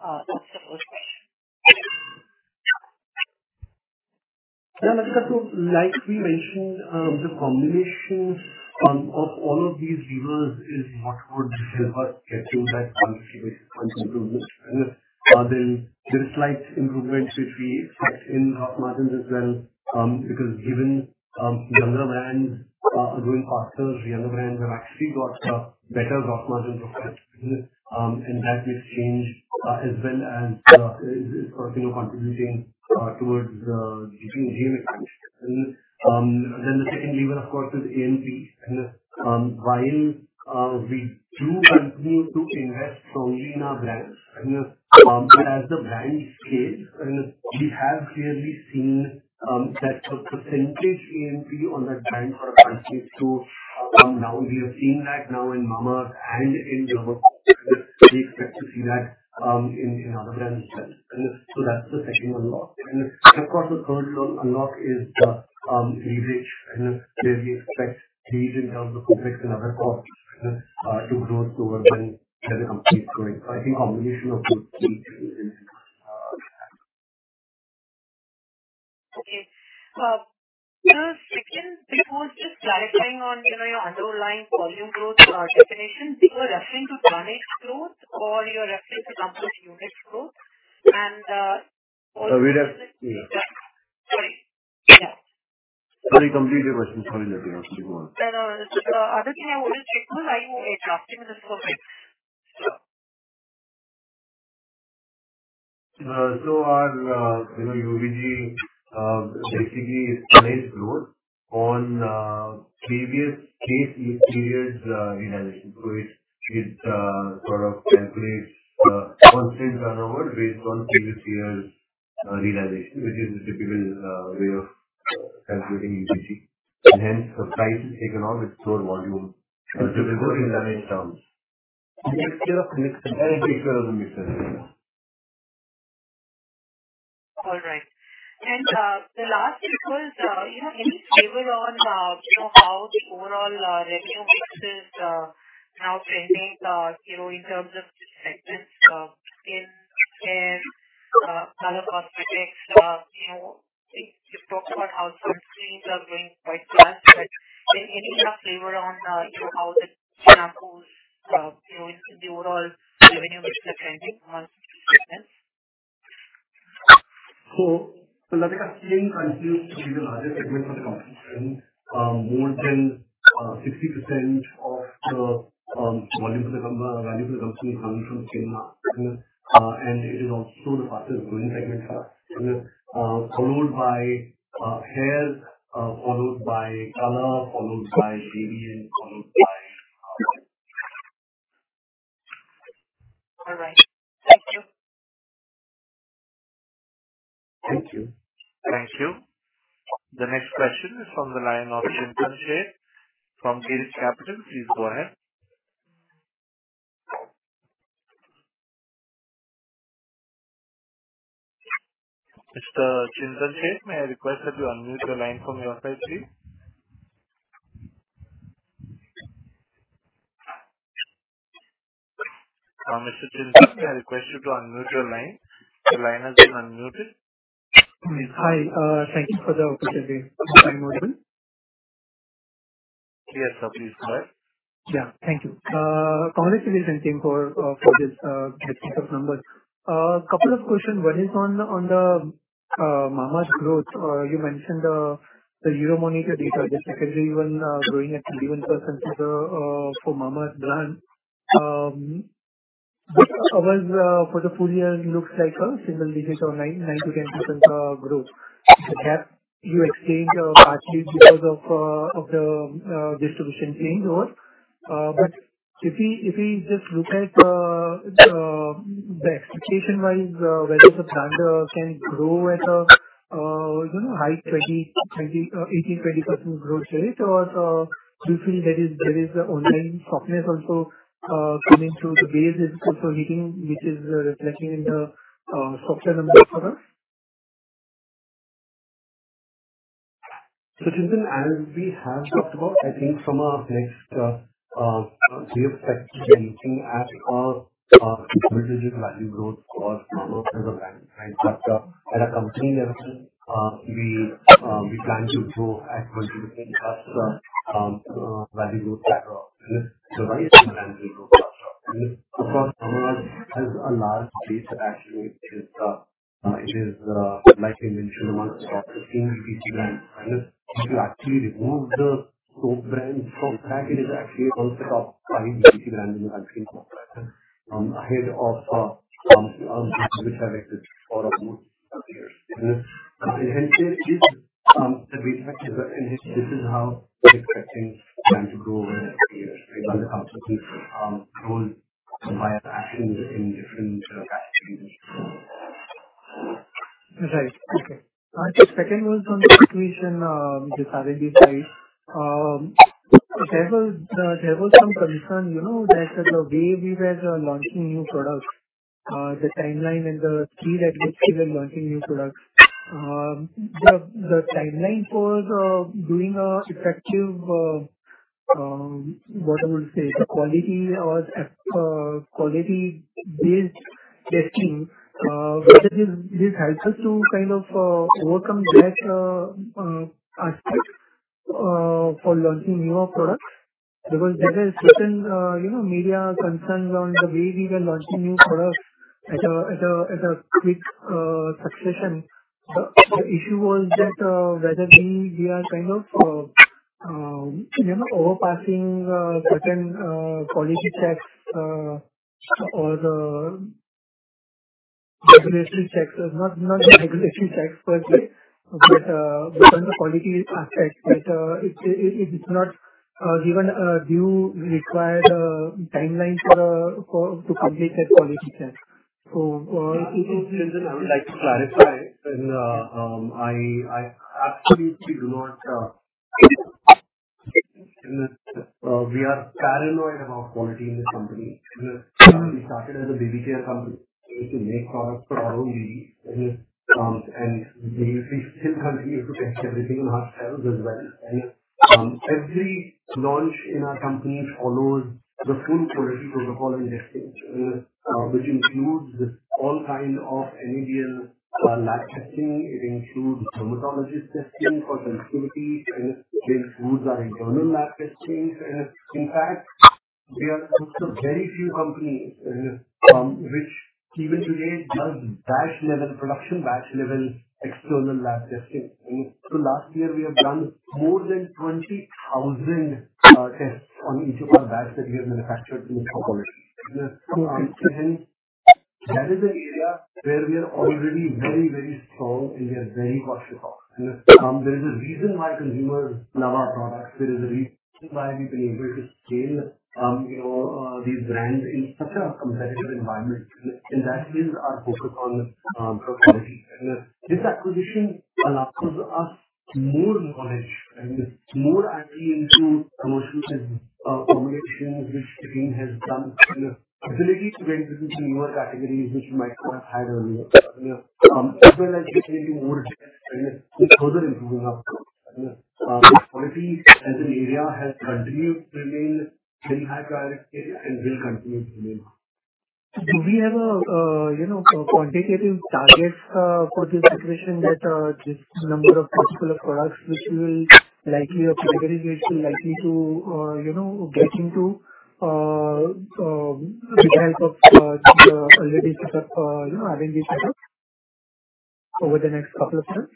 That's the first question. Yeah, Latika, like we mentioned, the combination of all of these levers is what would help us get to that point, improvement. The slight improvements which we expect in gross margins as well, because given younger brands are growing faster, younger brands have actually got better gross margin profiles, and that will change as well as, you know, contributing towards getting here. The second lever, of course, is A&P. While we do continue to invest strongly in our brands, and as the brand scales, we have clearly seen that the percentage A&P on that brand sort of continues to come down. We are seeing that now in Mamaearth and in BBlunt. We expect to see that in other brands as well. And so that's the second unlock. And of course, the third unlock is the leverage, and where we expect to lead in terms of fixed and other costs to grow slower than the company is growing. I think a combination of those three things. Okay. Just a second, before just clarifying on, you know, your underlying volume growth definition, people are referring to market growth or you're referring to number of units growth? And we ref- Yeah. Sorry. Sorry, complete the question. Sorry, Latika, please go on. No, no. So, other than I would just check where I asked you this, okay. So our, you know, UVG basically is volume growth on previous base with previous realization. So it sort of calculates constant run over based on previous years realization, which is the typical way of calculating ESG. And hence, the price taken on with store volume to report in value terms. Picture of mix- Picture of the mixture. All right. And, the last thing was, you know, any flavor on, you know, how the overall revenue mix is now trending, you know, in terms of sectors, in color cosmetics, you know, you talked about how sunscreen are going quite well, but any flavor on, you know, how the shampoos, you know, the overall revenue mix are trending since last month? Latika, skin continues to be the largest segment for the company. More than 60% of the volume and value for the company comes from skin market. It is also the fastest growing segment, followed by hair, followed by color, followed by baby, and followed by All right. Thank you. Thank you. Thank you. The next question is from the line of Chintan Sheth from Girik Capital. Please go ahead. Mr. Chintan Sheth, may I request that you unmute your line from your side, please? Mr. Chintan Sheth, may I request you to unmute your line. Your line has been unmuted. Hi, thank you for the opportunity. I'm unmuted? Yes, sir. Please go ahead. Yeah. Thank you. Congratulations and thank you for this set of numbers. A couple of questions. One is on the Mamaearth growth. You mentioned the Euromonitor data, the category one growing at 11% for the Mamaearth brand. But almost for the full year, it looks like a single digit or 9%-10% growth. That you explained partially because of the distribution change or... But if we just look at the expectation-wise, whether the brand can grow at a, you know, high 20s, 20%, 18%-20% growth rate, or do you feel there is online softness also coming through the base is also hitting, which is reflecting in the softer numbers for us? So Chintan, as we have talked about, I think from a next year perspective, we are looking at a mid-digit value growth for the brand. But at a company level, we plan to grow at much more value growth rather than the brand will grow. And of course, Mamaearth has a large base. Actually, it is like I mentioned, one of the top 15 DTC brands. And if you actually remove the soap brands from that, it is actually also top five DTC brands in the country, ahead of which I mentioned for a few years. And hence, this, the base actually, and this is how we're expecting the brand to grow over the next years, based on the confidence growth by actions in different sort of categories. Right. Okay. The second was on the execution, which already described. There was some concern, you know, that the way we were launching new products, the timeline and the speed at which we were launching new products. The timeline for doing a effective, what I would say, quality or quality-based testing, whether this helps us to kind of overcome that aspect for launching newer products? Because there is certain, you know, media concerns on the way we were launching new products at a quick succession. The issue was that, whether we are kind of, you know, overpassing certain quality checks or the regulatory checks. Not, not the regulatory checks per se, but certain quality aspects that it, it's not given a due required timeline for to complete that quality check. So- I would like to clarify. I absolutely do not. We are paranoid about quality in this company. We started as a DTC company to make products for our own needs, and we still continue to test everything on ourselves as well. Every launch in our company follows the full quality protocol and testing, which includes all kind of NABL lab testing. It includes dermatologist testing for sensitivity, and it includes our internal lab testings. In fact, we are one of the very few companies which even today does batch level, production batch level, external lab testing. So last year, we have done more than 20,000 tests on each of our batch that we have manufactured in the company. That is an area where we are already very, very strong, and we are very cautious of. There is a reason why consumers love our products. There is a reason why we've been able to scale, you know, these brands in such a competitive environment, and that is our focus on quality. And, this acquisition allows us more knowledge and more insight into commercial combinations, which the team has done. The ability to go into newer categories, which we might not have had earlier. As well as getting more and further improving our quality as an area has continued to remain in high priority area and will continue to be. Do we have a you know quantitative targets for this acquisition that this number of particular products which will likely or categories which are likely to you know get into the help of the already set up you know having been set up over the next couple of years?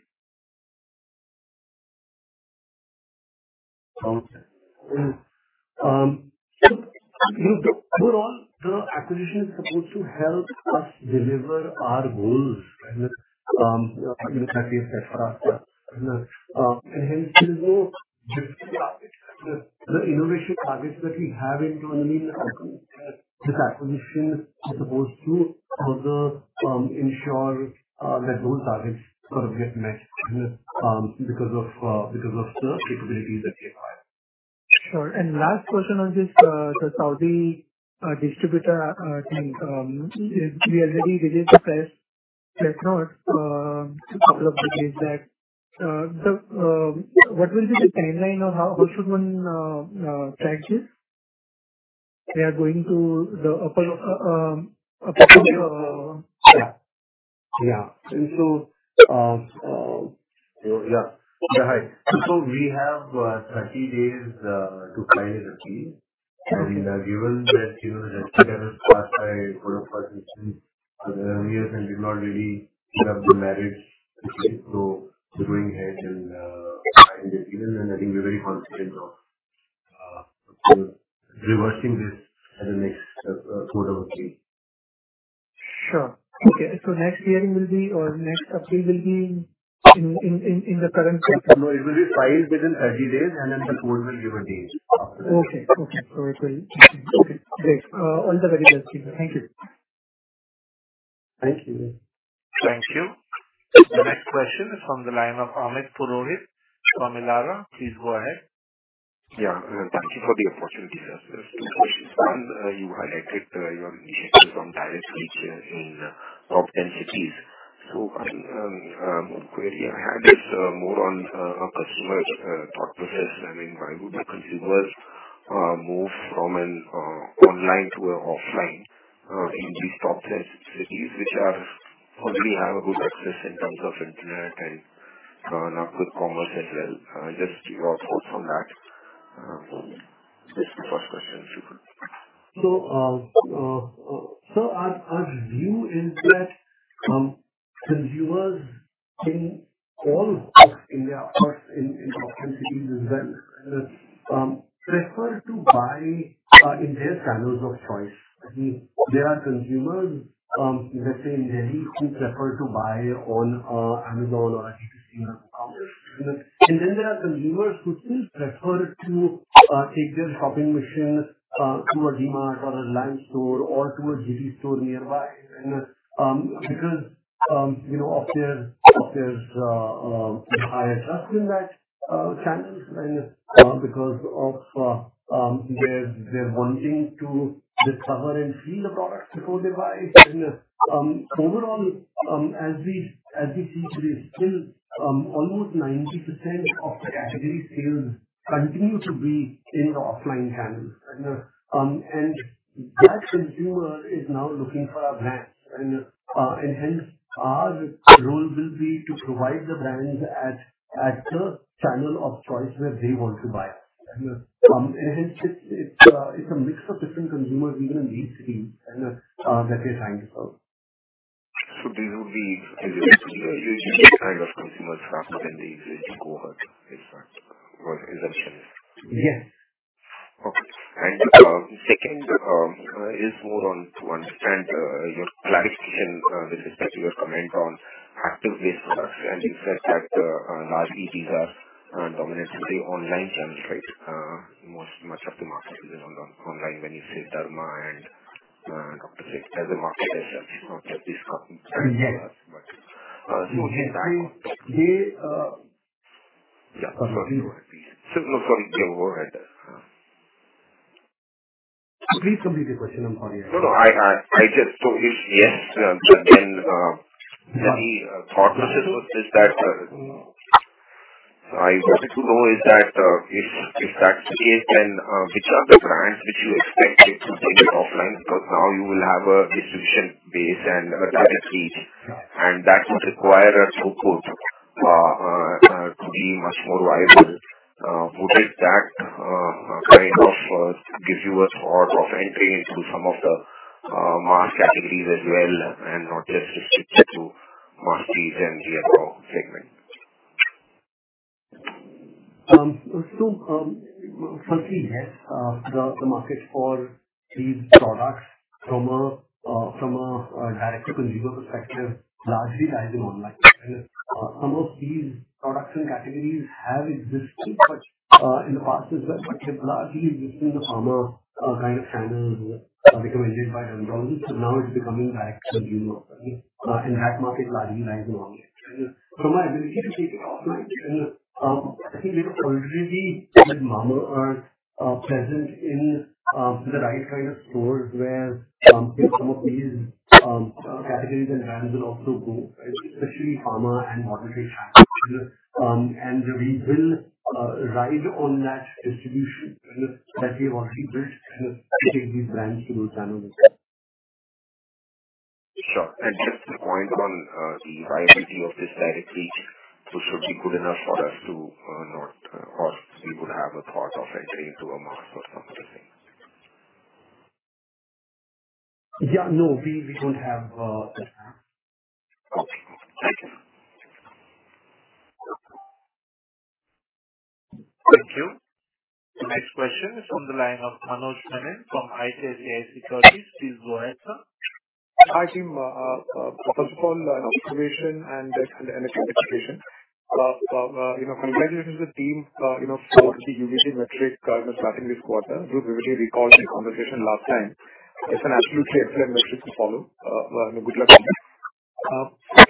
Overall, the acquisition is supposed to help us deliver our goals, and, you know, like I said, for us, and hence, there's no specific target. The innovation targets that we have in 2090, this acquisition is supposed to further ensure that those targets are get met, because of, because of the capabilities that we have. Sure. And last question on this, the Saudi distributor thing. We already read in the press note couple of days back. What will be the timeline or how soon? [audio distortion] Hi. So we have 30 days to sign the agreement. Given that, you know, the past 5 years, and we've not really set up the marriage, so going ahead, and even then, I think we're very confident of reversing this at the next quarter, okay. Sure. Okay. So next hearing will be, or next update will be in the current quarter? No, it will be filed within 30 days, and then the court will give a date after that. Okay. Okay, so it will... Great. All the very best to you. Thank you. Thank you. Thank you. The next question is from the line of Amit Purohit from Elara. Please go ahead. Yeah, thank you for the opportunity, sir. two questions. one, you highlighted your initiative on direct reach in top 10 cities. So, query I had is more on customer thought process. I mean, why would the consumers move from an online to an offline in these top 10 cities, which already have a good access in terms of internet and good commerce as well? Just your thoughts on that. That's the first question, if you could. So, our view is that consumers in all of India, of course, in top 10 cities as well, prefer to buy in their channels of choice. There are consumers, let's say in Delhi, who prefer to buy on Amazon or DTC, and then there are consumers who still prefer to take their shopping machine to a DMart or a Reliance store or to a GT store nearby. And, because, you know, of their high trust in that channels, and because of their wanting to discover and feel the products before they buy. And, overall, as we see today, still, almost 90% of the category sales continue to be in the offline channels. That consumer is now looking for our brands and hence, our role will be to provide the brands at the channel of choice where they want to buy. It's a mix of different consumers even in each city, and that we're trying to serve. These would be different types of consumer stuff than the existing cohort. Is that your assumption? Yeah. Okay. And second, to understand your clarification with respect to your comment on active risks, and you said that large ETs are dominantly online channels, right? Much of the market is online, when you say Derma and up to 60% of the market is these companies. Yeah. So, can that- They, uh- Yeah. So go ahead. Please complete the question. I'm sorry. Yes, and the thought process was, is that I wanted to know is that if that's the case, then which are the brands which you expect it to take it offline? Because now you will have a distribution base and a direct reach, and that would require a support to be much more viable. Would that kind of give you a sort of entry into some of the mass categories as well, and not just restricted to mass prestige and the other segment? So, firstly, yes, the market for these products from a direct to consumer perspective largely lies in online. And some of these products and categories have existed, but in the past as well, but largely within the pharma kind of channels recommended by doctors. So now it's becoming direct to the consumer, and that market largely lies in online. From my ability to take it offline, I think we're already with pharma present in the right kind of stores where some of these categories and brands will also go, especially pharma and modern trade. And we will ride on that distribution that we have already built to take these brands to those channels. Sure. Just to point on the viability of this category, so should be good enough for us to not... Or we would have a barrier of entry into a market or something? Yeah, no, we don't have that. Okay. Thank you. Thank you. The next question is on the line of Manoj Menon from ICICI Securities. Please go ahead, sir. Hi, team. First of all, congratulations and excellent execution. You know, congratulations to the team, you know, for the UGC metric in the previous quarter, which we already recalled in the conversation last time. It's an absolutely excellent metric to follow. Good luck on that.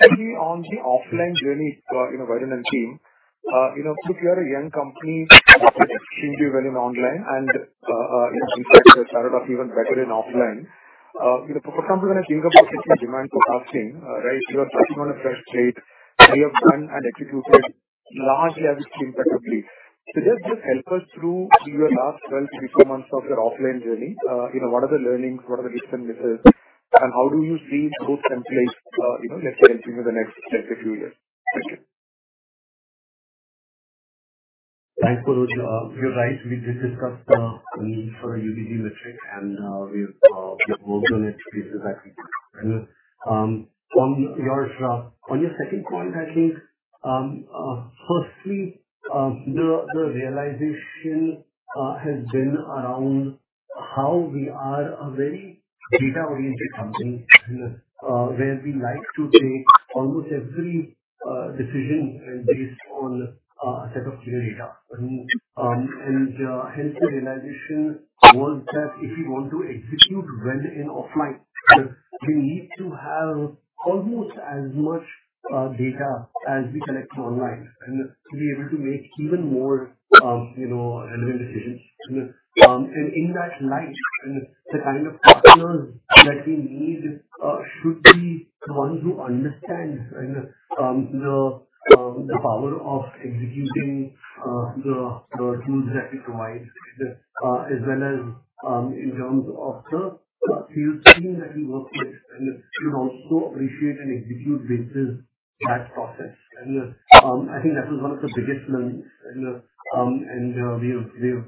Actually, on the offline journey, you know, Varun, team, you know, look, you are a young company, extremely well in online and you started off even better in offline. You know, for example, when I think about the demand forecasting, right, you are pushing at a faster rate. You have done and executed largely, I would say, impeccably. So just help us through your last 12-18 months of your offline journey. You know, what are the learnings? What are the hits and misses? How do you see growth in place, you know, let's say, into the next, like, a few years? Thank you. Thanks for those. You're right. We did discuss for UGC metric, and we have worked on it. This is actually on your second point, I think. Firstly, the realization has been around how we are a very data-oriented company, where we like to take almost every decision based on a set of clear data. And hence, the realization was that if you want to execute well in offline, we need to have almost as much data as we collect online and to be able to make even more, you know, relevant decisions. And in that light, and the kind of partners that we need should be the ones who understand and the power of executing the tools that we provide, as well as in terms of the field team that we work with, and should also appreciate and execute versus that process. And I think that is one of the biggest learnings. And we've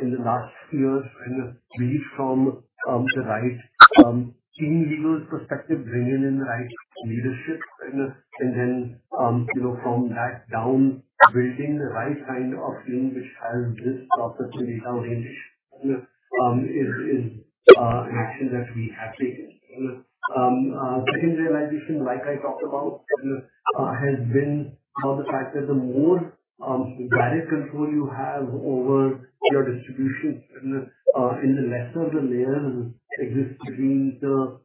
in the last year, and really from the right in legal perspective, bringing in the right leadership and then, you know, from that down, building the right kind of team which has this process and data range, is an action that we have taken. Second realization, like I talked about, has been how the fact that the more direct control you have over your distribution, and the lesser the layers exist between the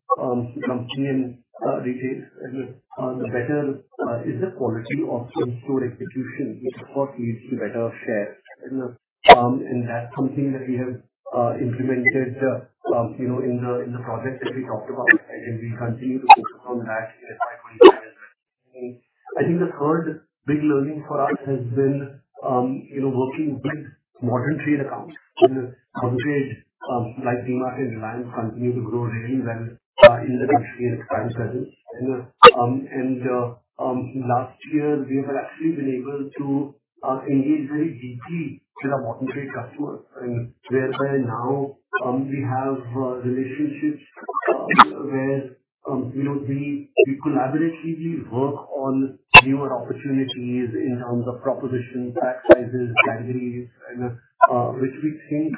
company and retail, and the better is the quality of the store execution, which, of course, leads to better shares. That's something that we have implemented, you know, in the project that we talked about, and we continue to push on that in FY 25 as well. I think the third big learning for us has been, you know, working with modern trade accounts, and like DMart and Reliance continue to grow really well in the current scenario. And last year, we have actually been able to engage very deeply with our modern trade customers, and whereby now, we have relationships where you know, we collaboratively work on newer opportunities in terms of propositions, pack sizes, categories, which we think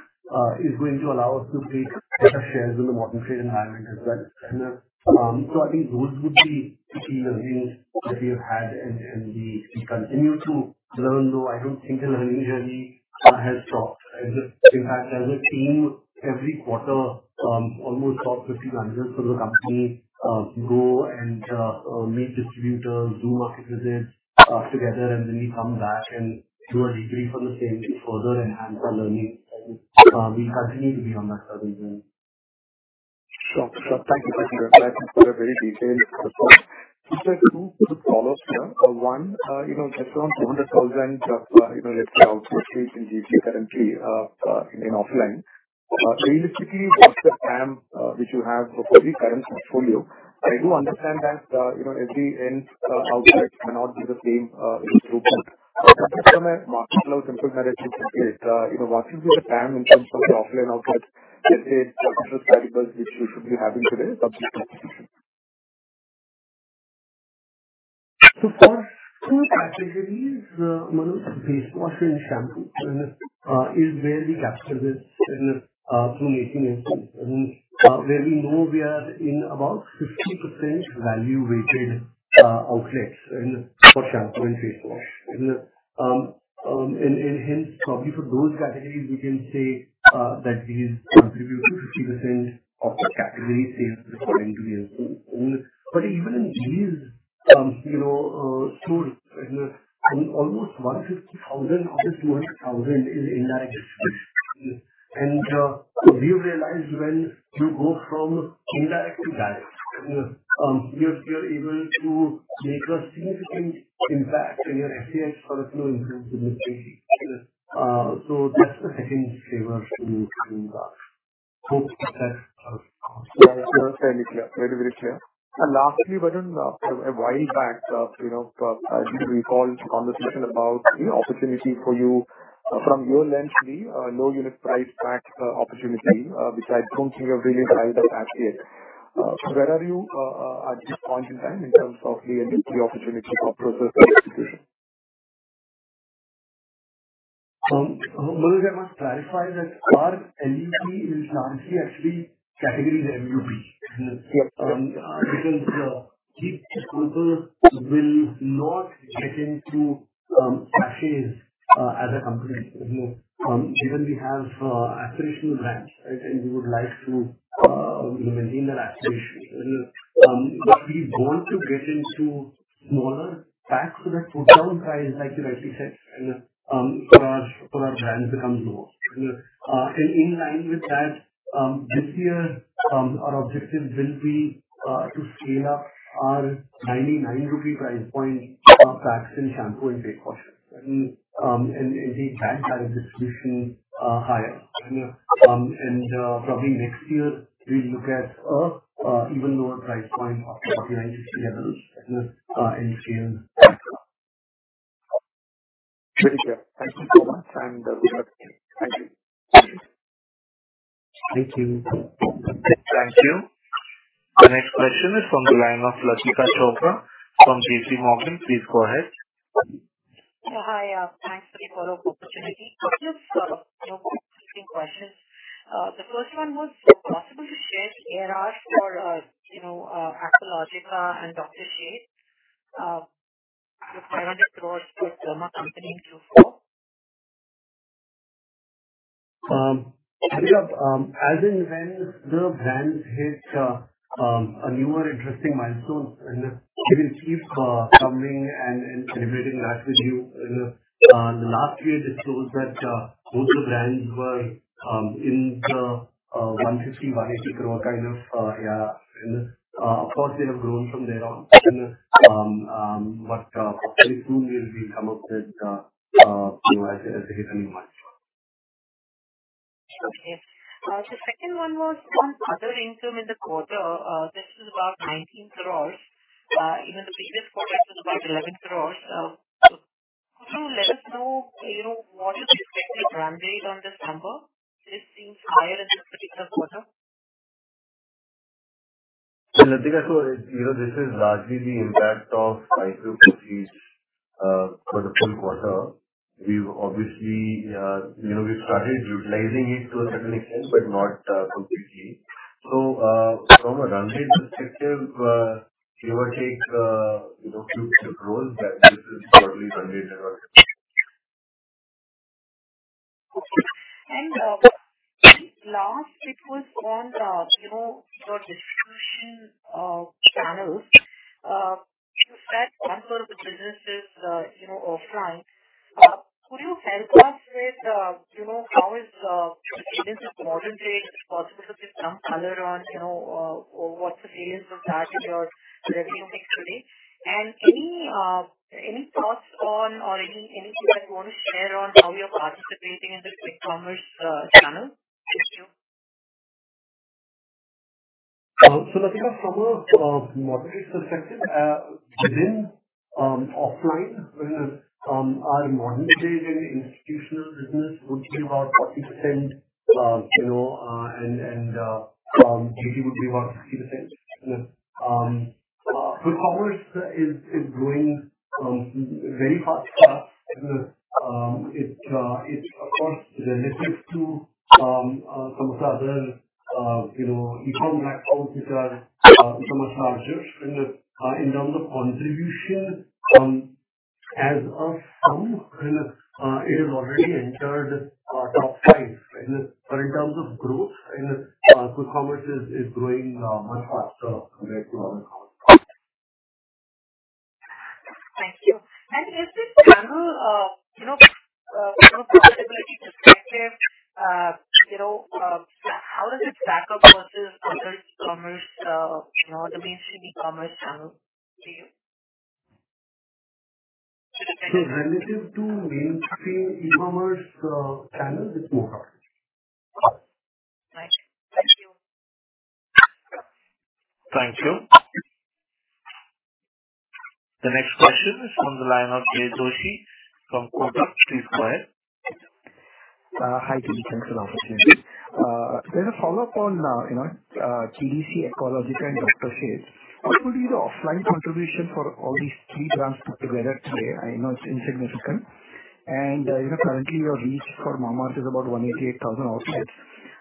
is going to allow us to take better shares in the modern trade environment as well. So I think those would be the key learnings that we have had, and we continue to learn, though I don't think the learning journey has stopped. In fact, as a team, every quarter, almost top 50 managers from the company go and meet distributors, do market visits together, and then we come back and do a debrief for the same to further enhance our learning. We continue to be on that journey. Sure. Thank you for your reply. These are very detailed. So I have two quick follows here. One, you know, just around 700,000, you know, let's say, outlets in GT currently in offline. Realistically, what's the TAM which you have for the current portfolio? I do understand that, you know, every end outlet cannot be the same in groups. From a [audio distortion] is, you know, what is your TAM in terms of the offline outlets, let's say, from the variables which you should be having today from this competition? So for two categories, Manoj, face wash and shampoo is where we capture this through Nielsen. And, where we know we are in about 50% value-weighted outlets in for shampoo and face wash. And, and hence, probably for those categories, we can say that we contribute to 50% of the category sales according to Nielsen. But even in general, you know, stores, and almost 150,000 out of 200,000 is indirect. And, we realize when you go from indirect to direct, you're able to make a significant impact on your actual portfolio improvement. So that's the second factor in, in, Yeah, clear. Very clear. Very, very clear. And lastly, Varun, a while back, you know, as you recall conversation about the opportunity for you from your lens, the low unit price pack opportunity, which I don't think you have really tried that yet. So where are you at this point in time, in terms of the opportunity or process of execution? Manoj, I must clarify that our LUP is largely actually category LUP. Yep. Because we just simply will not get into sachets as a company. Given we have aspirational brands, right? And we would like to, you know, maintain that aspiration. But we want to get into smaller packs, so that total price, like you rightly said, for our brands becomes lower. And in line with that, this year our objective will be to scale up our 99 rupee price point packs in shampoo and face wash and take that kind of distribution higher. And probably next year, we'll look at an even lower price point of 49-50 levels in scale. Very clear. Thank you so much, and good luck. Thank you. Thank you. Thank you. The next question is from the line of Latika Chopra from JPMorgan. Please go ahead. Hi, thanks for the follow-up opportunity. Just, you know, quick questions. The first one was: possible to share ARR for, you know, Aqualogica and Dr. Sheth's, the brand called The Derma Co. in Q4? Sure. As and when the brands hit a newer interesting milestone, and we will keep coming and celebrating that with you. And last year just shows that both the brands were in the 150 crore-180 crore kind of, yeah. And of course, they have grown from there on. But hopefully soon we'll come up with you know, as a new milestone. Okay. The second one was on other income in the quarter. This is about 19 crores. In the previous quarter, it was about 11 crores. Could you let us know, you know, what is the expected run rate on this number? This seems higher in this particular quarter. Latika, so, you know, this is largely the impact of IPO proceeds for the full quarter. We've obviously, you know, we've started utilizing it to a certain extent, but not completely. So, from a run rate perspective, give or take, you know, few controls that this is probably run rate. Okay. And last it was on, you know, your distribution channels. You said most of the businesses, you know, offline. Could you help us with, you know, how is General, Modern Trade, if possible, give some color on, you know, what's the cadence of that in your revenue mix today? And any, any thoughts on or any, anything you want to share on how you're participating in the Quick Commerce channel? Thank you. So Latika, from a modern trade perspective, within offline, our modern trade and institutional business would be about 40%, you know, and GT would be about 50%. Quick commerce is growing very fast. It's of course relative to some of the other, you know, e-commerce platforms which are somewhat larger. In terms of contribution, as of now, it has already entered our top five. And but in terms of growth, and Quick Commerce is growing much faster right now. Thank you. Is this channel, you know, you know, from a possibility perspective, you know, how does it stack up versus other commerce, you know, the mainstream e-commerce channel to you? So relative to mainstream e-commerce channels, it's more hard. Thank you. Thank you. The next question is from the line of Jay Doshi from Kotak Securities.... Hi, Jay. Thanks for the opportunity. Then a follow-up on, you know, TDC, Aqualogica, and Dr. Sheth's. What will be the offline contribution for all these three brands put together today? I know it's insignificant, and, you know, currently, your reach for Mamaearth is about 188,000 outlets.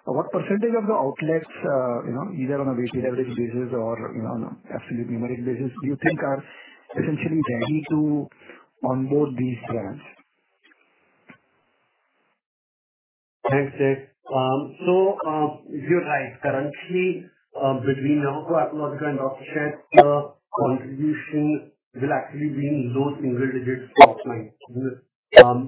What percentage of the outlets, you know, either on a weightage average basis or, you know, on an absolute numeric basis, do you think are essentially ready to onboard these brands? Thanks, Jay. So, you're right. Currently, between Ayuga, Aqualogica, and Dr. Sheth's, contribution will actually be in low single digits for offline.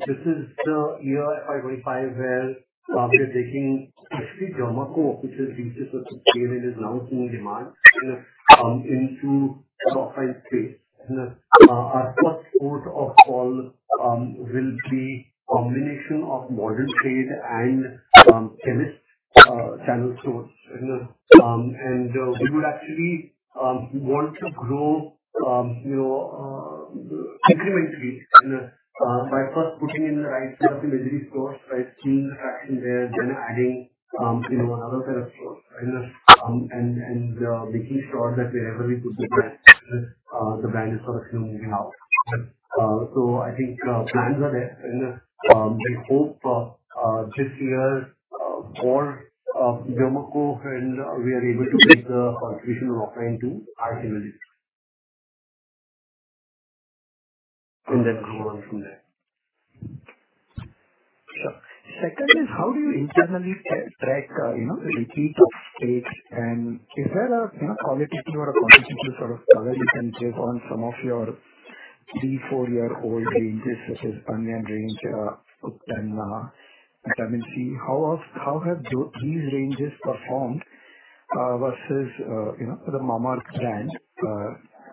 This is the year FY 25, where, we are The Derma Co., which is uses such a scale and is now seeing demand, into the offline space. And, our first port of call, will be a combination of modern trade and, chemist channel stores. And, we would actually, want to grow, you know, incrementally, you know, by first putting in the right set of stores, by seeing the traction there, then adding, you know, another set of stores. And, making sure that wherever we put the brand, the brand is correctly moving out. So I think plans are there, and we hope this year more Derma Co. and we are able to take the contribution of offline to high single digits. And then grow on from there. Sure. Secondly, how do you internally track, you know, the repeat rates? And is there a, you know, qualitative or a quantitative sort of cover you can take on some of your 3-4 year-old ranges, such as Onion range, Ubtan, Vitamin C? How have these ranges performed, versus, you know, the Mamaearth brand,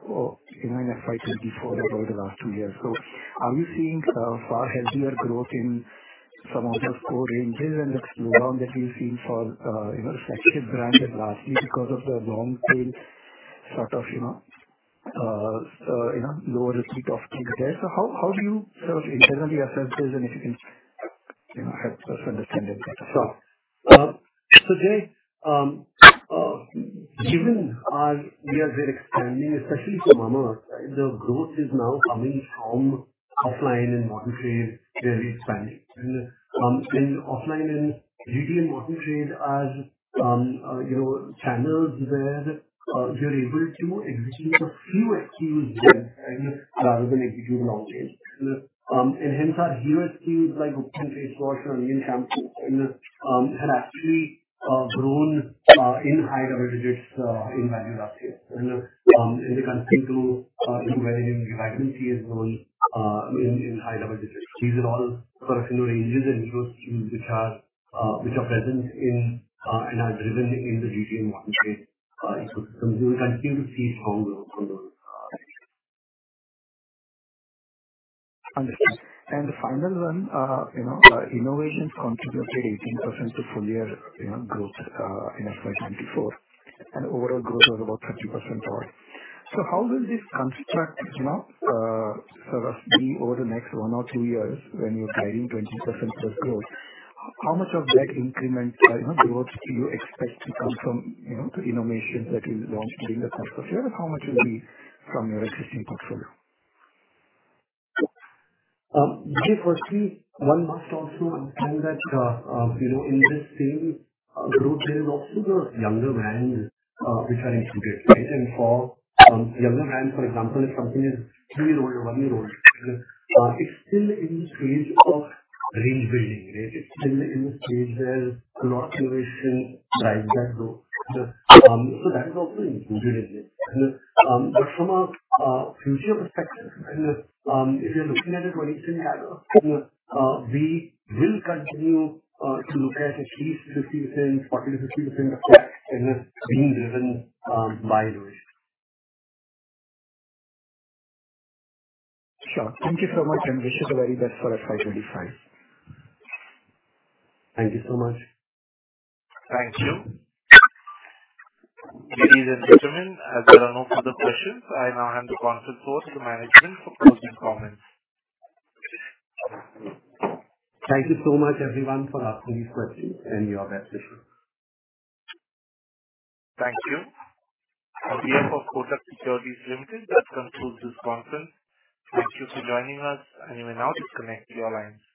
or, you know, in FY 2024 over the last two years? So are we seeing, far healthier growth in some of your core ranges and the slower that we've seen for, you know, sister brand than lastly because of the long tail, sort of, you know, lower repeat of things there. So how do you sort of internally assess this and if you can, you know, help us understand it better? Sure. So, Jay, given our... We are very expanding, especially for Mamaearth, the growth is now coming from offline and modern trade, where we expanding. In offline and retail and modern trade are, you know, channels where we are able to execute a few SKUs well and rather than execute a long tail. And hence our SKUs like face wash and Onion Shampoo and have actually grown in high double digits in value last year. And we continue to in vitamin, Vitamin C has grown in high double digits. These are all personal ranges and SKUs which are which are present in and are driven in the GT and modern trade ecosystem. We will continue to see strong growth on those. Understood. And the final one, you know, innovations contributed 18% to full year, you know, growth, in FY 2024, and overall growth was about 30% or... So how will this construct, you know, sort of be over the next one or two years when you're guiding 20%+ growth? How much of that increment, you know, growth do you expect to come from, you know, the innovations that you launched during the first quarter, and how much will be from your existing portfolio? Jay, firstly, one must also understand that, you know, in this same growth rate, a lot of the younger brands, which are included, right? And for younger brands, for example, if something is three-year-old or one-year-old, it's still in the stage of range building, right? It's still in the stage where a lot of generation drives that growth. So that is also included in this. But from a future perspective, and if you're looking at it when you still have, we will continue to look at least 50%, 40%-50% of that and it being driven by innovation. Sure. Thank you so much, and wish you the very best for FY 2025. Thank you so much. Thank you. Ladies and gentlemen, as there are no further questions, I now hand the conference call to management for closing comments. Thank you so much, everyone, for asking these questions and your best wishes. Thank you. On behalf of Kotak Securities Limited, that concludes this conference. Thank you for joining us, and you may now disconnect your lines.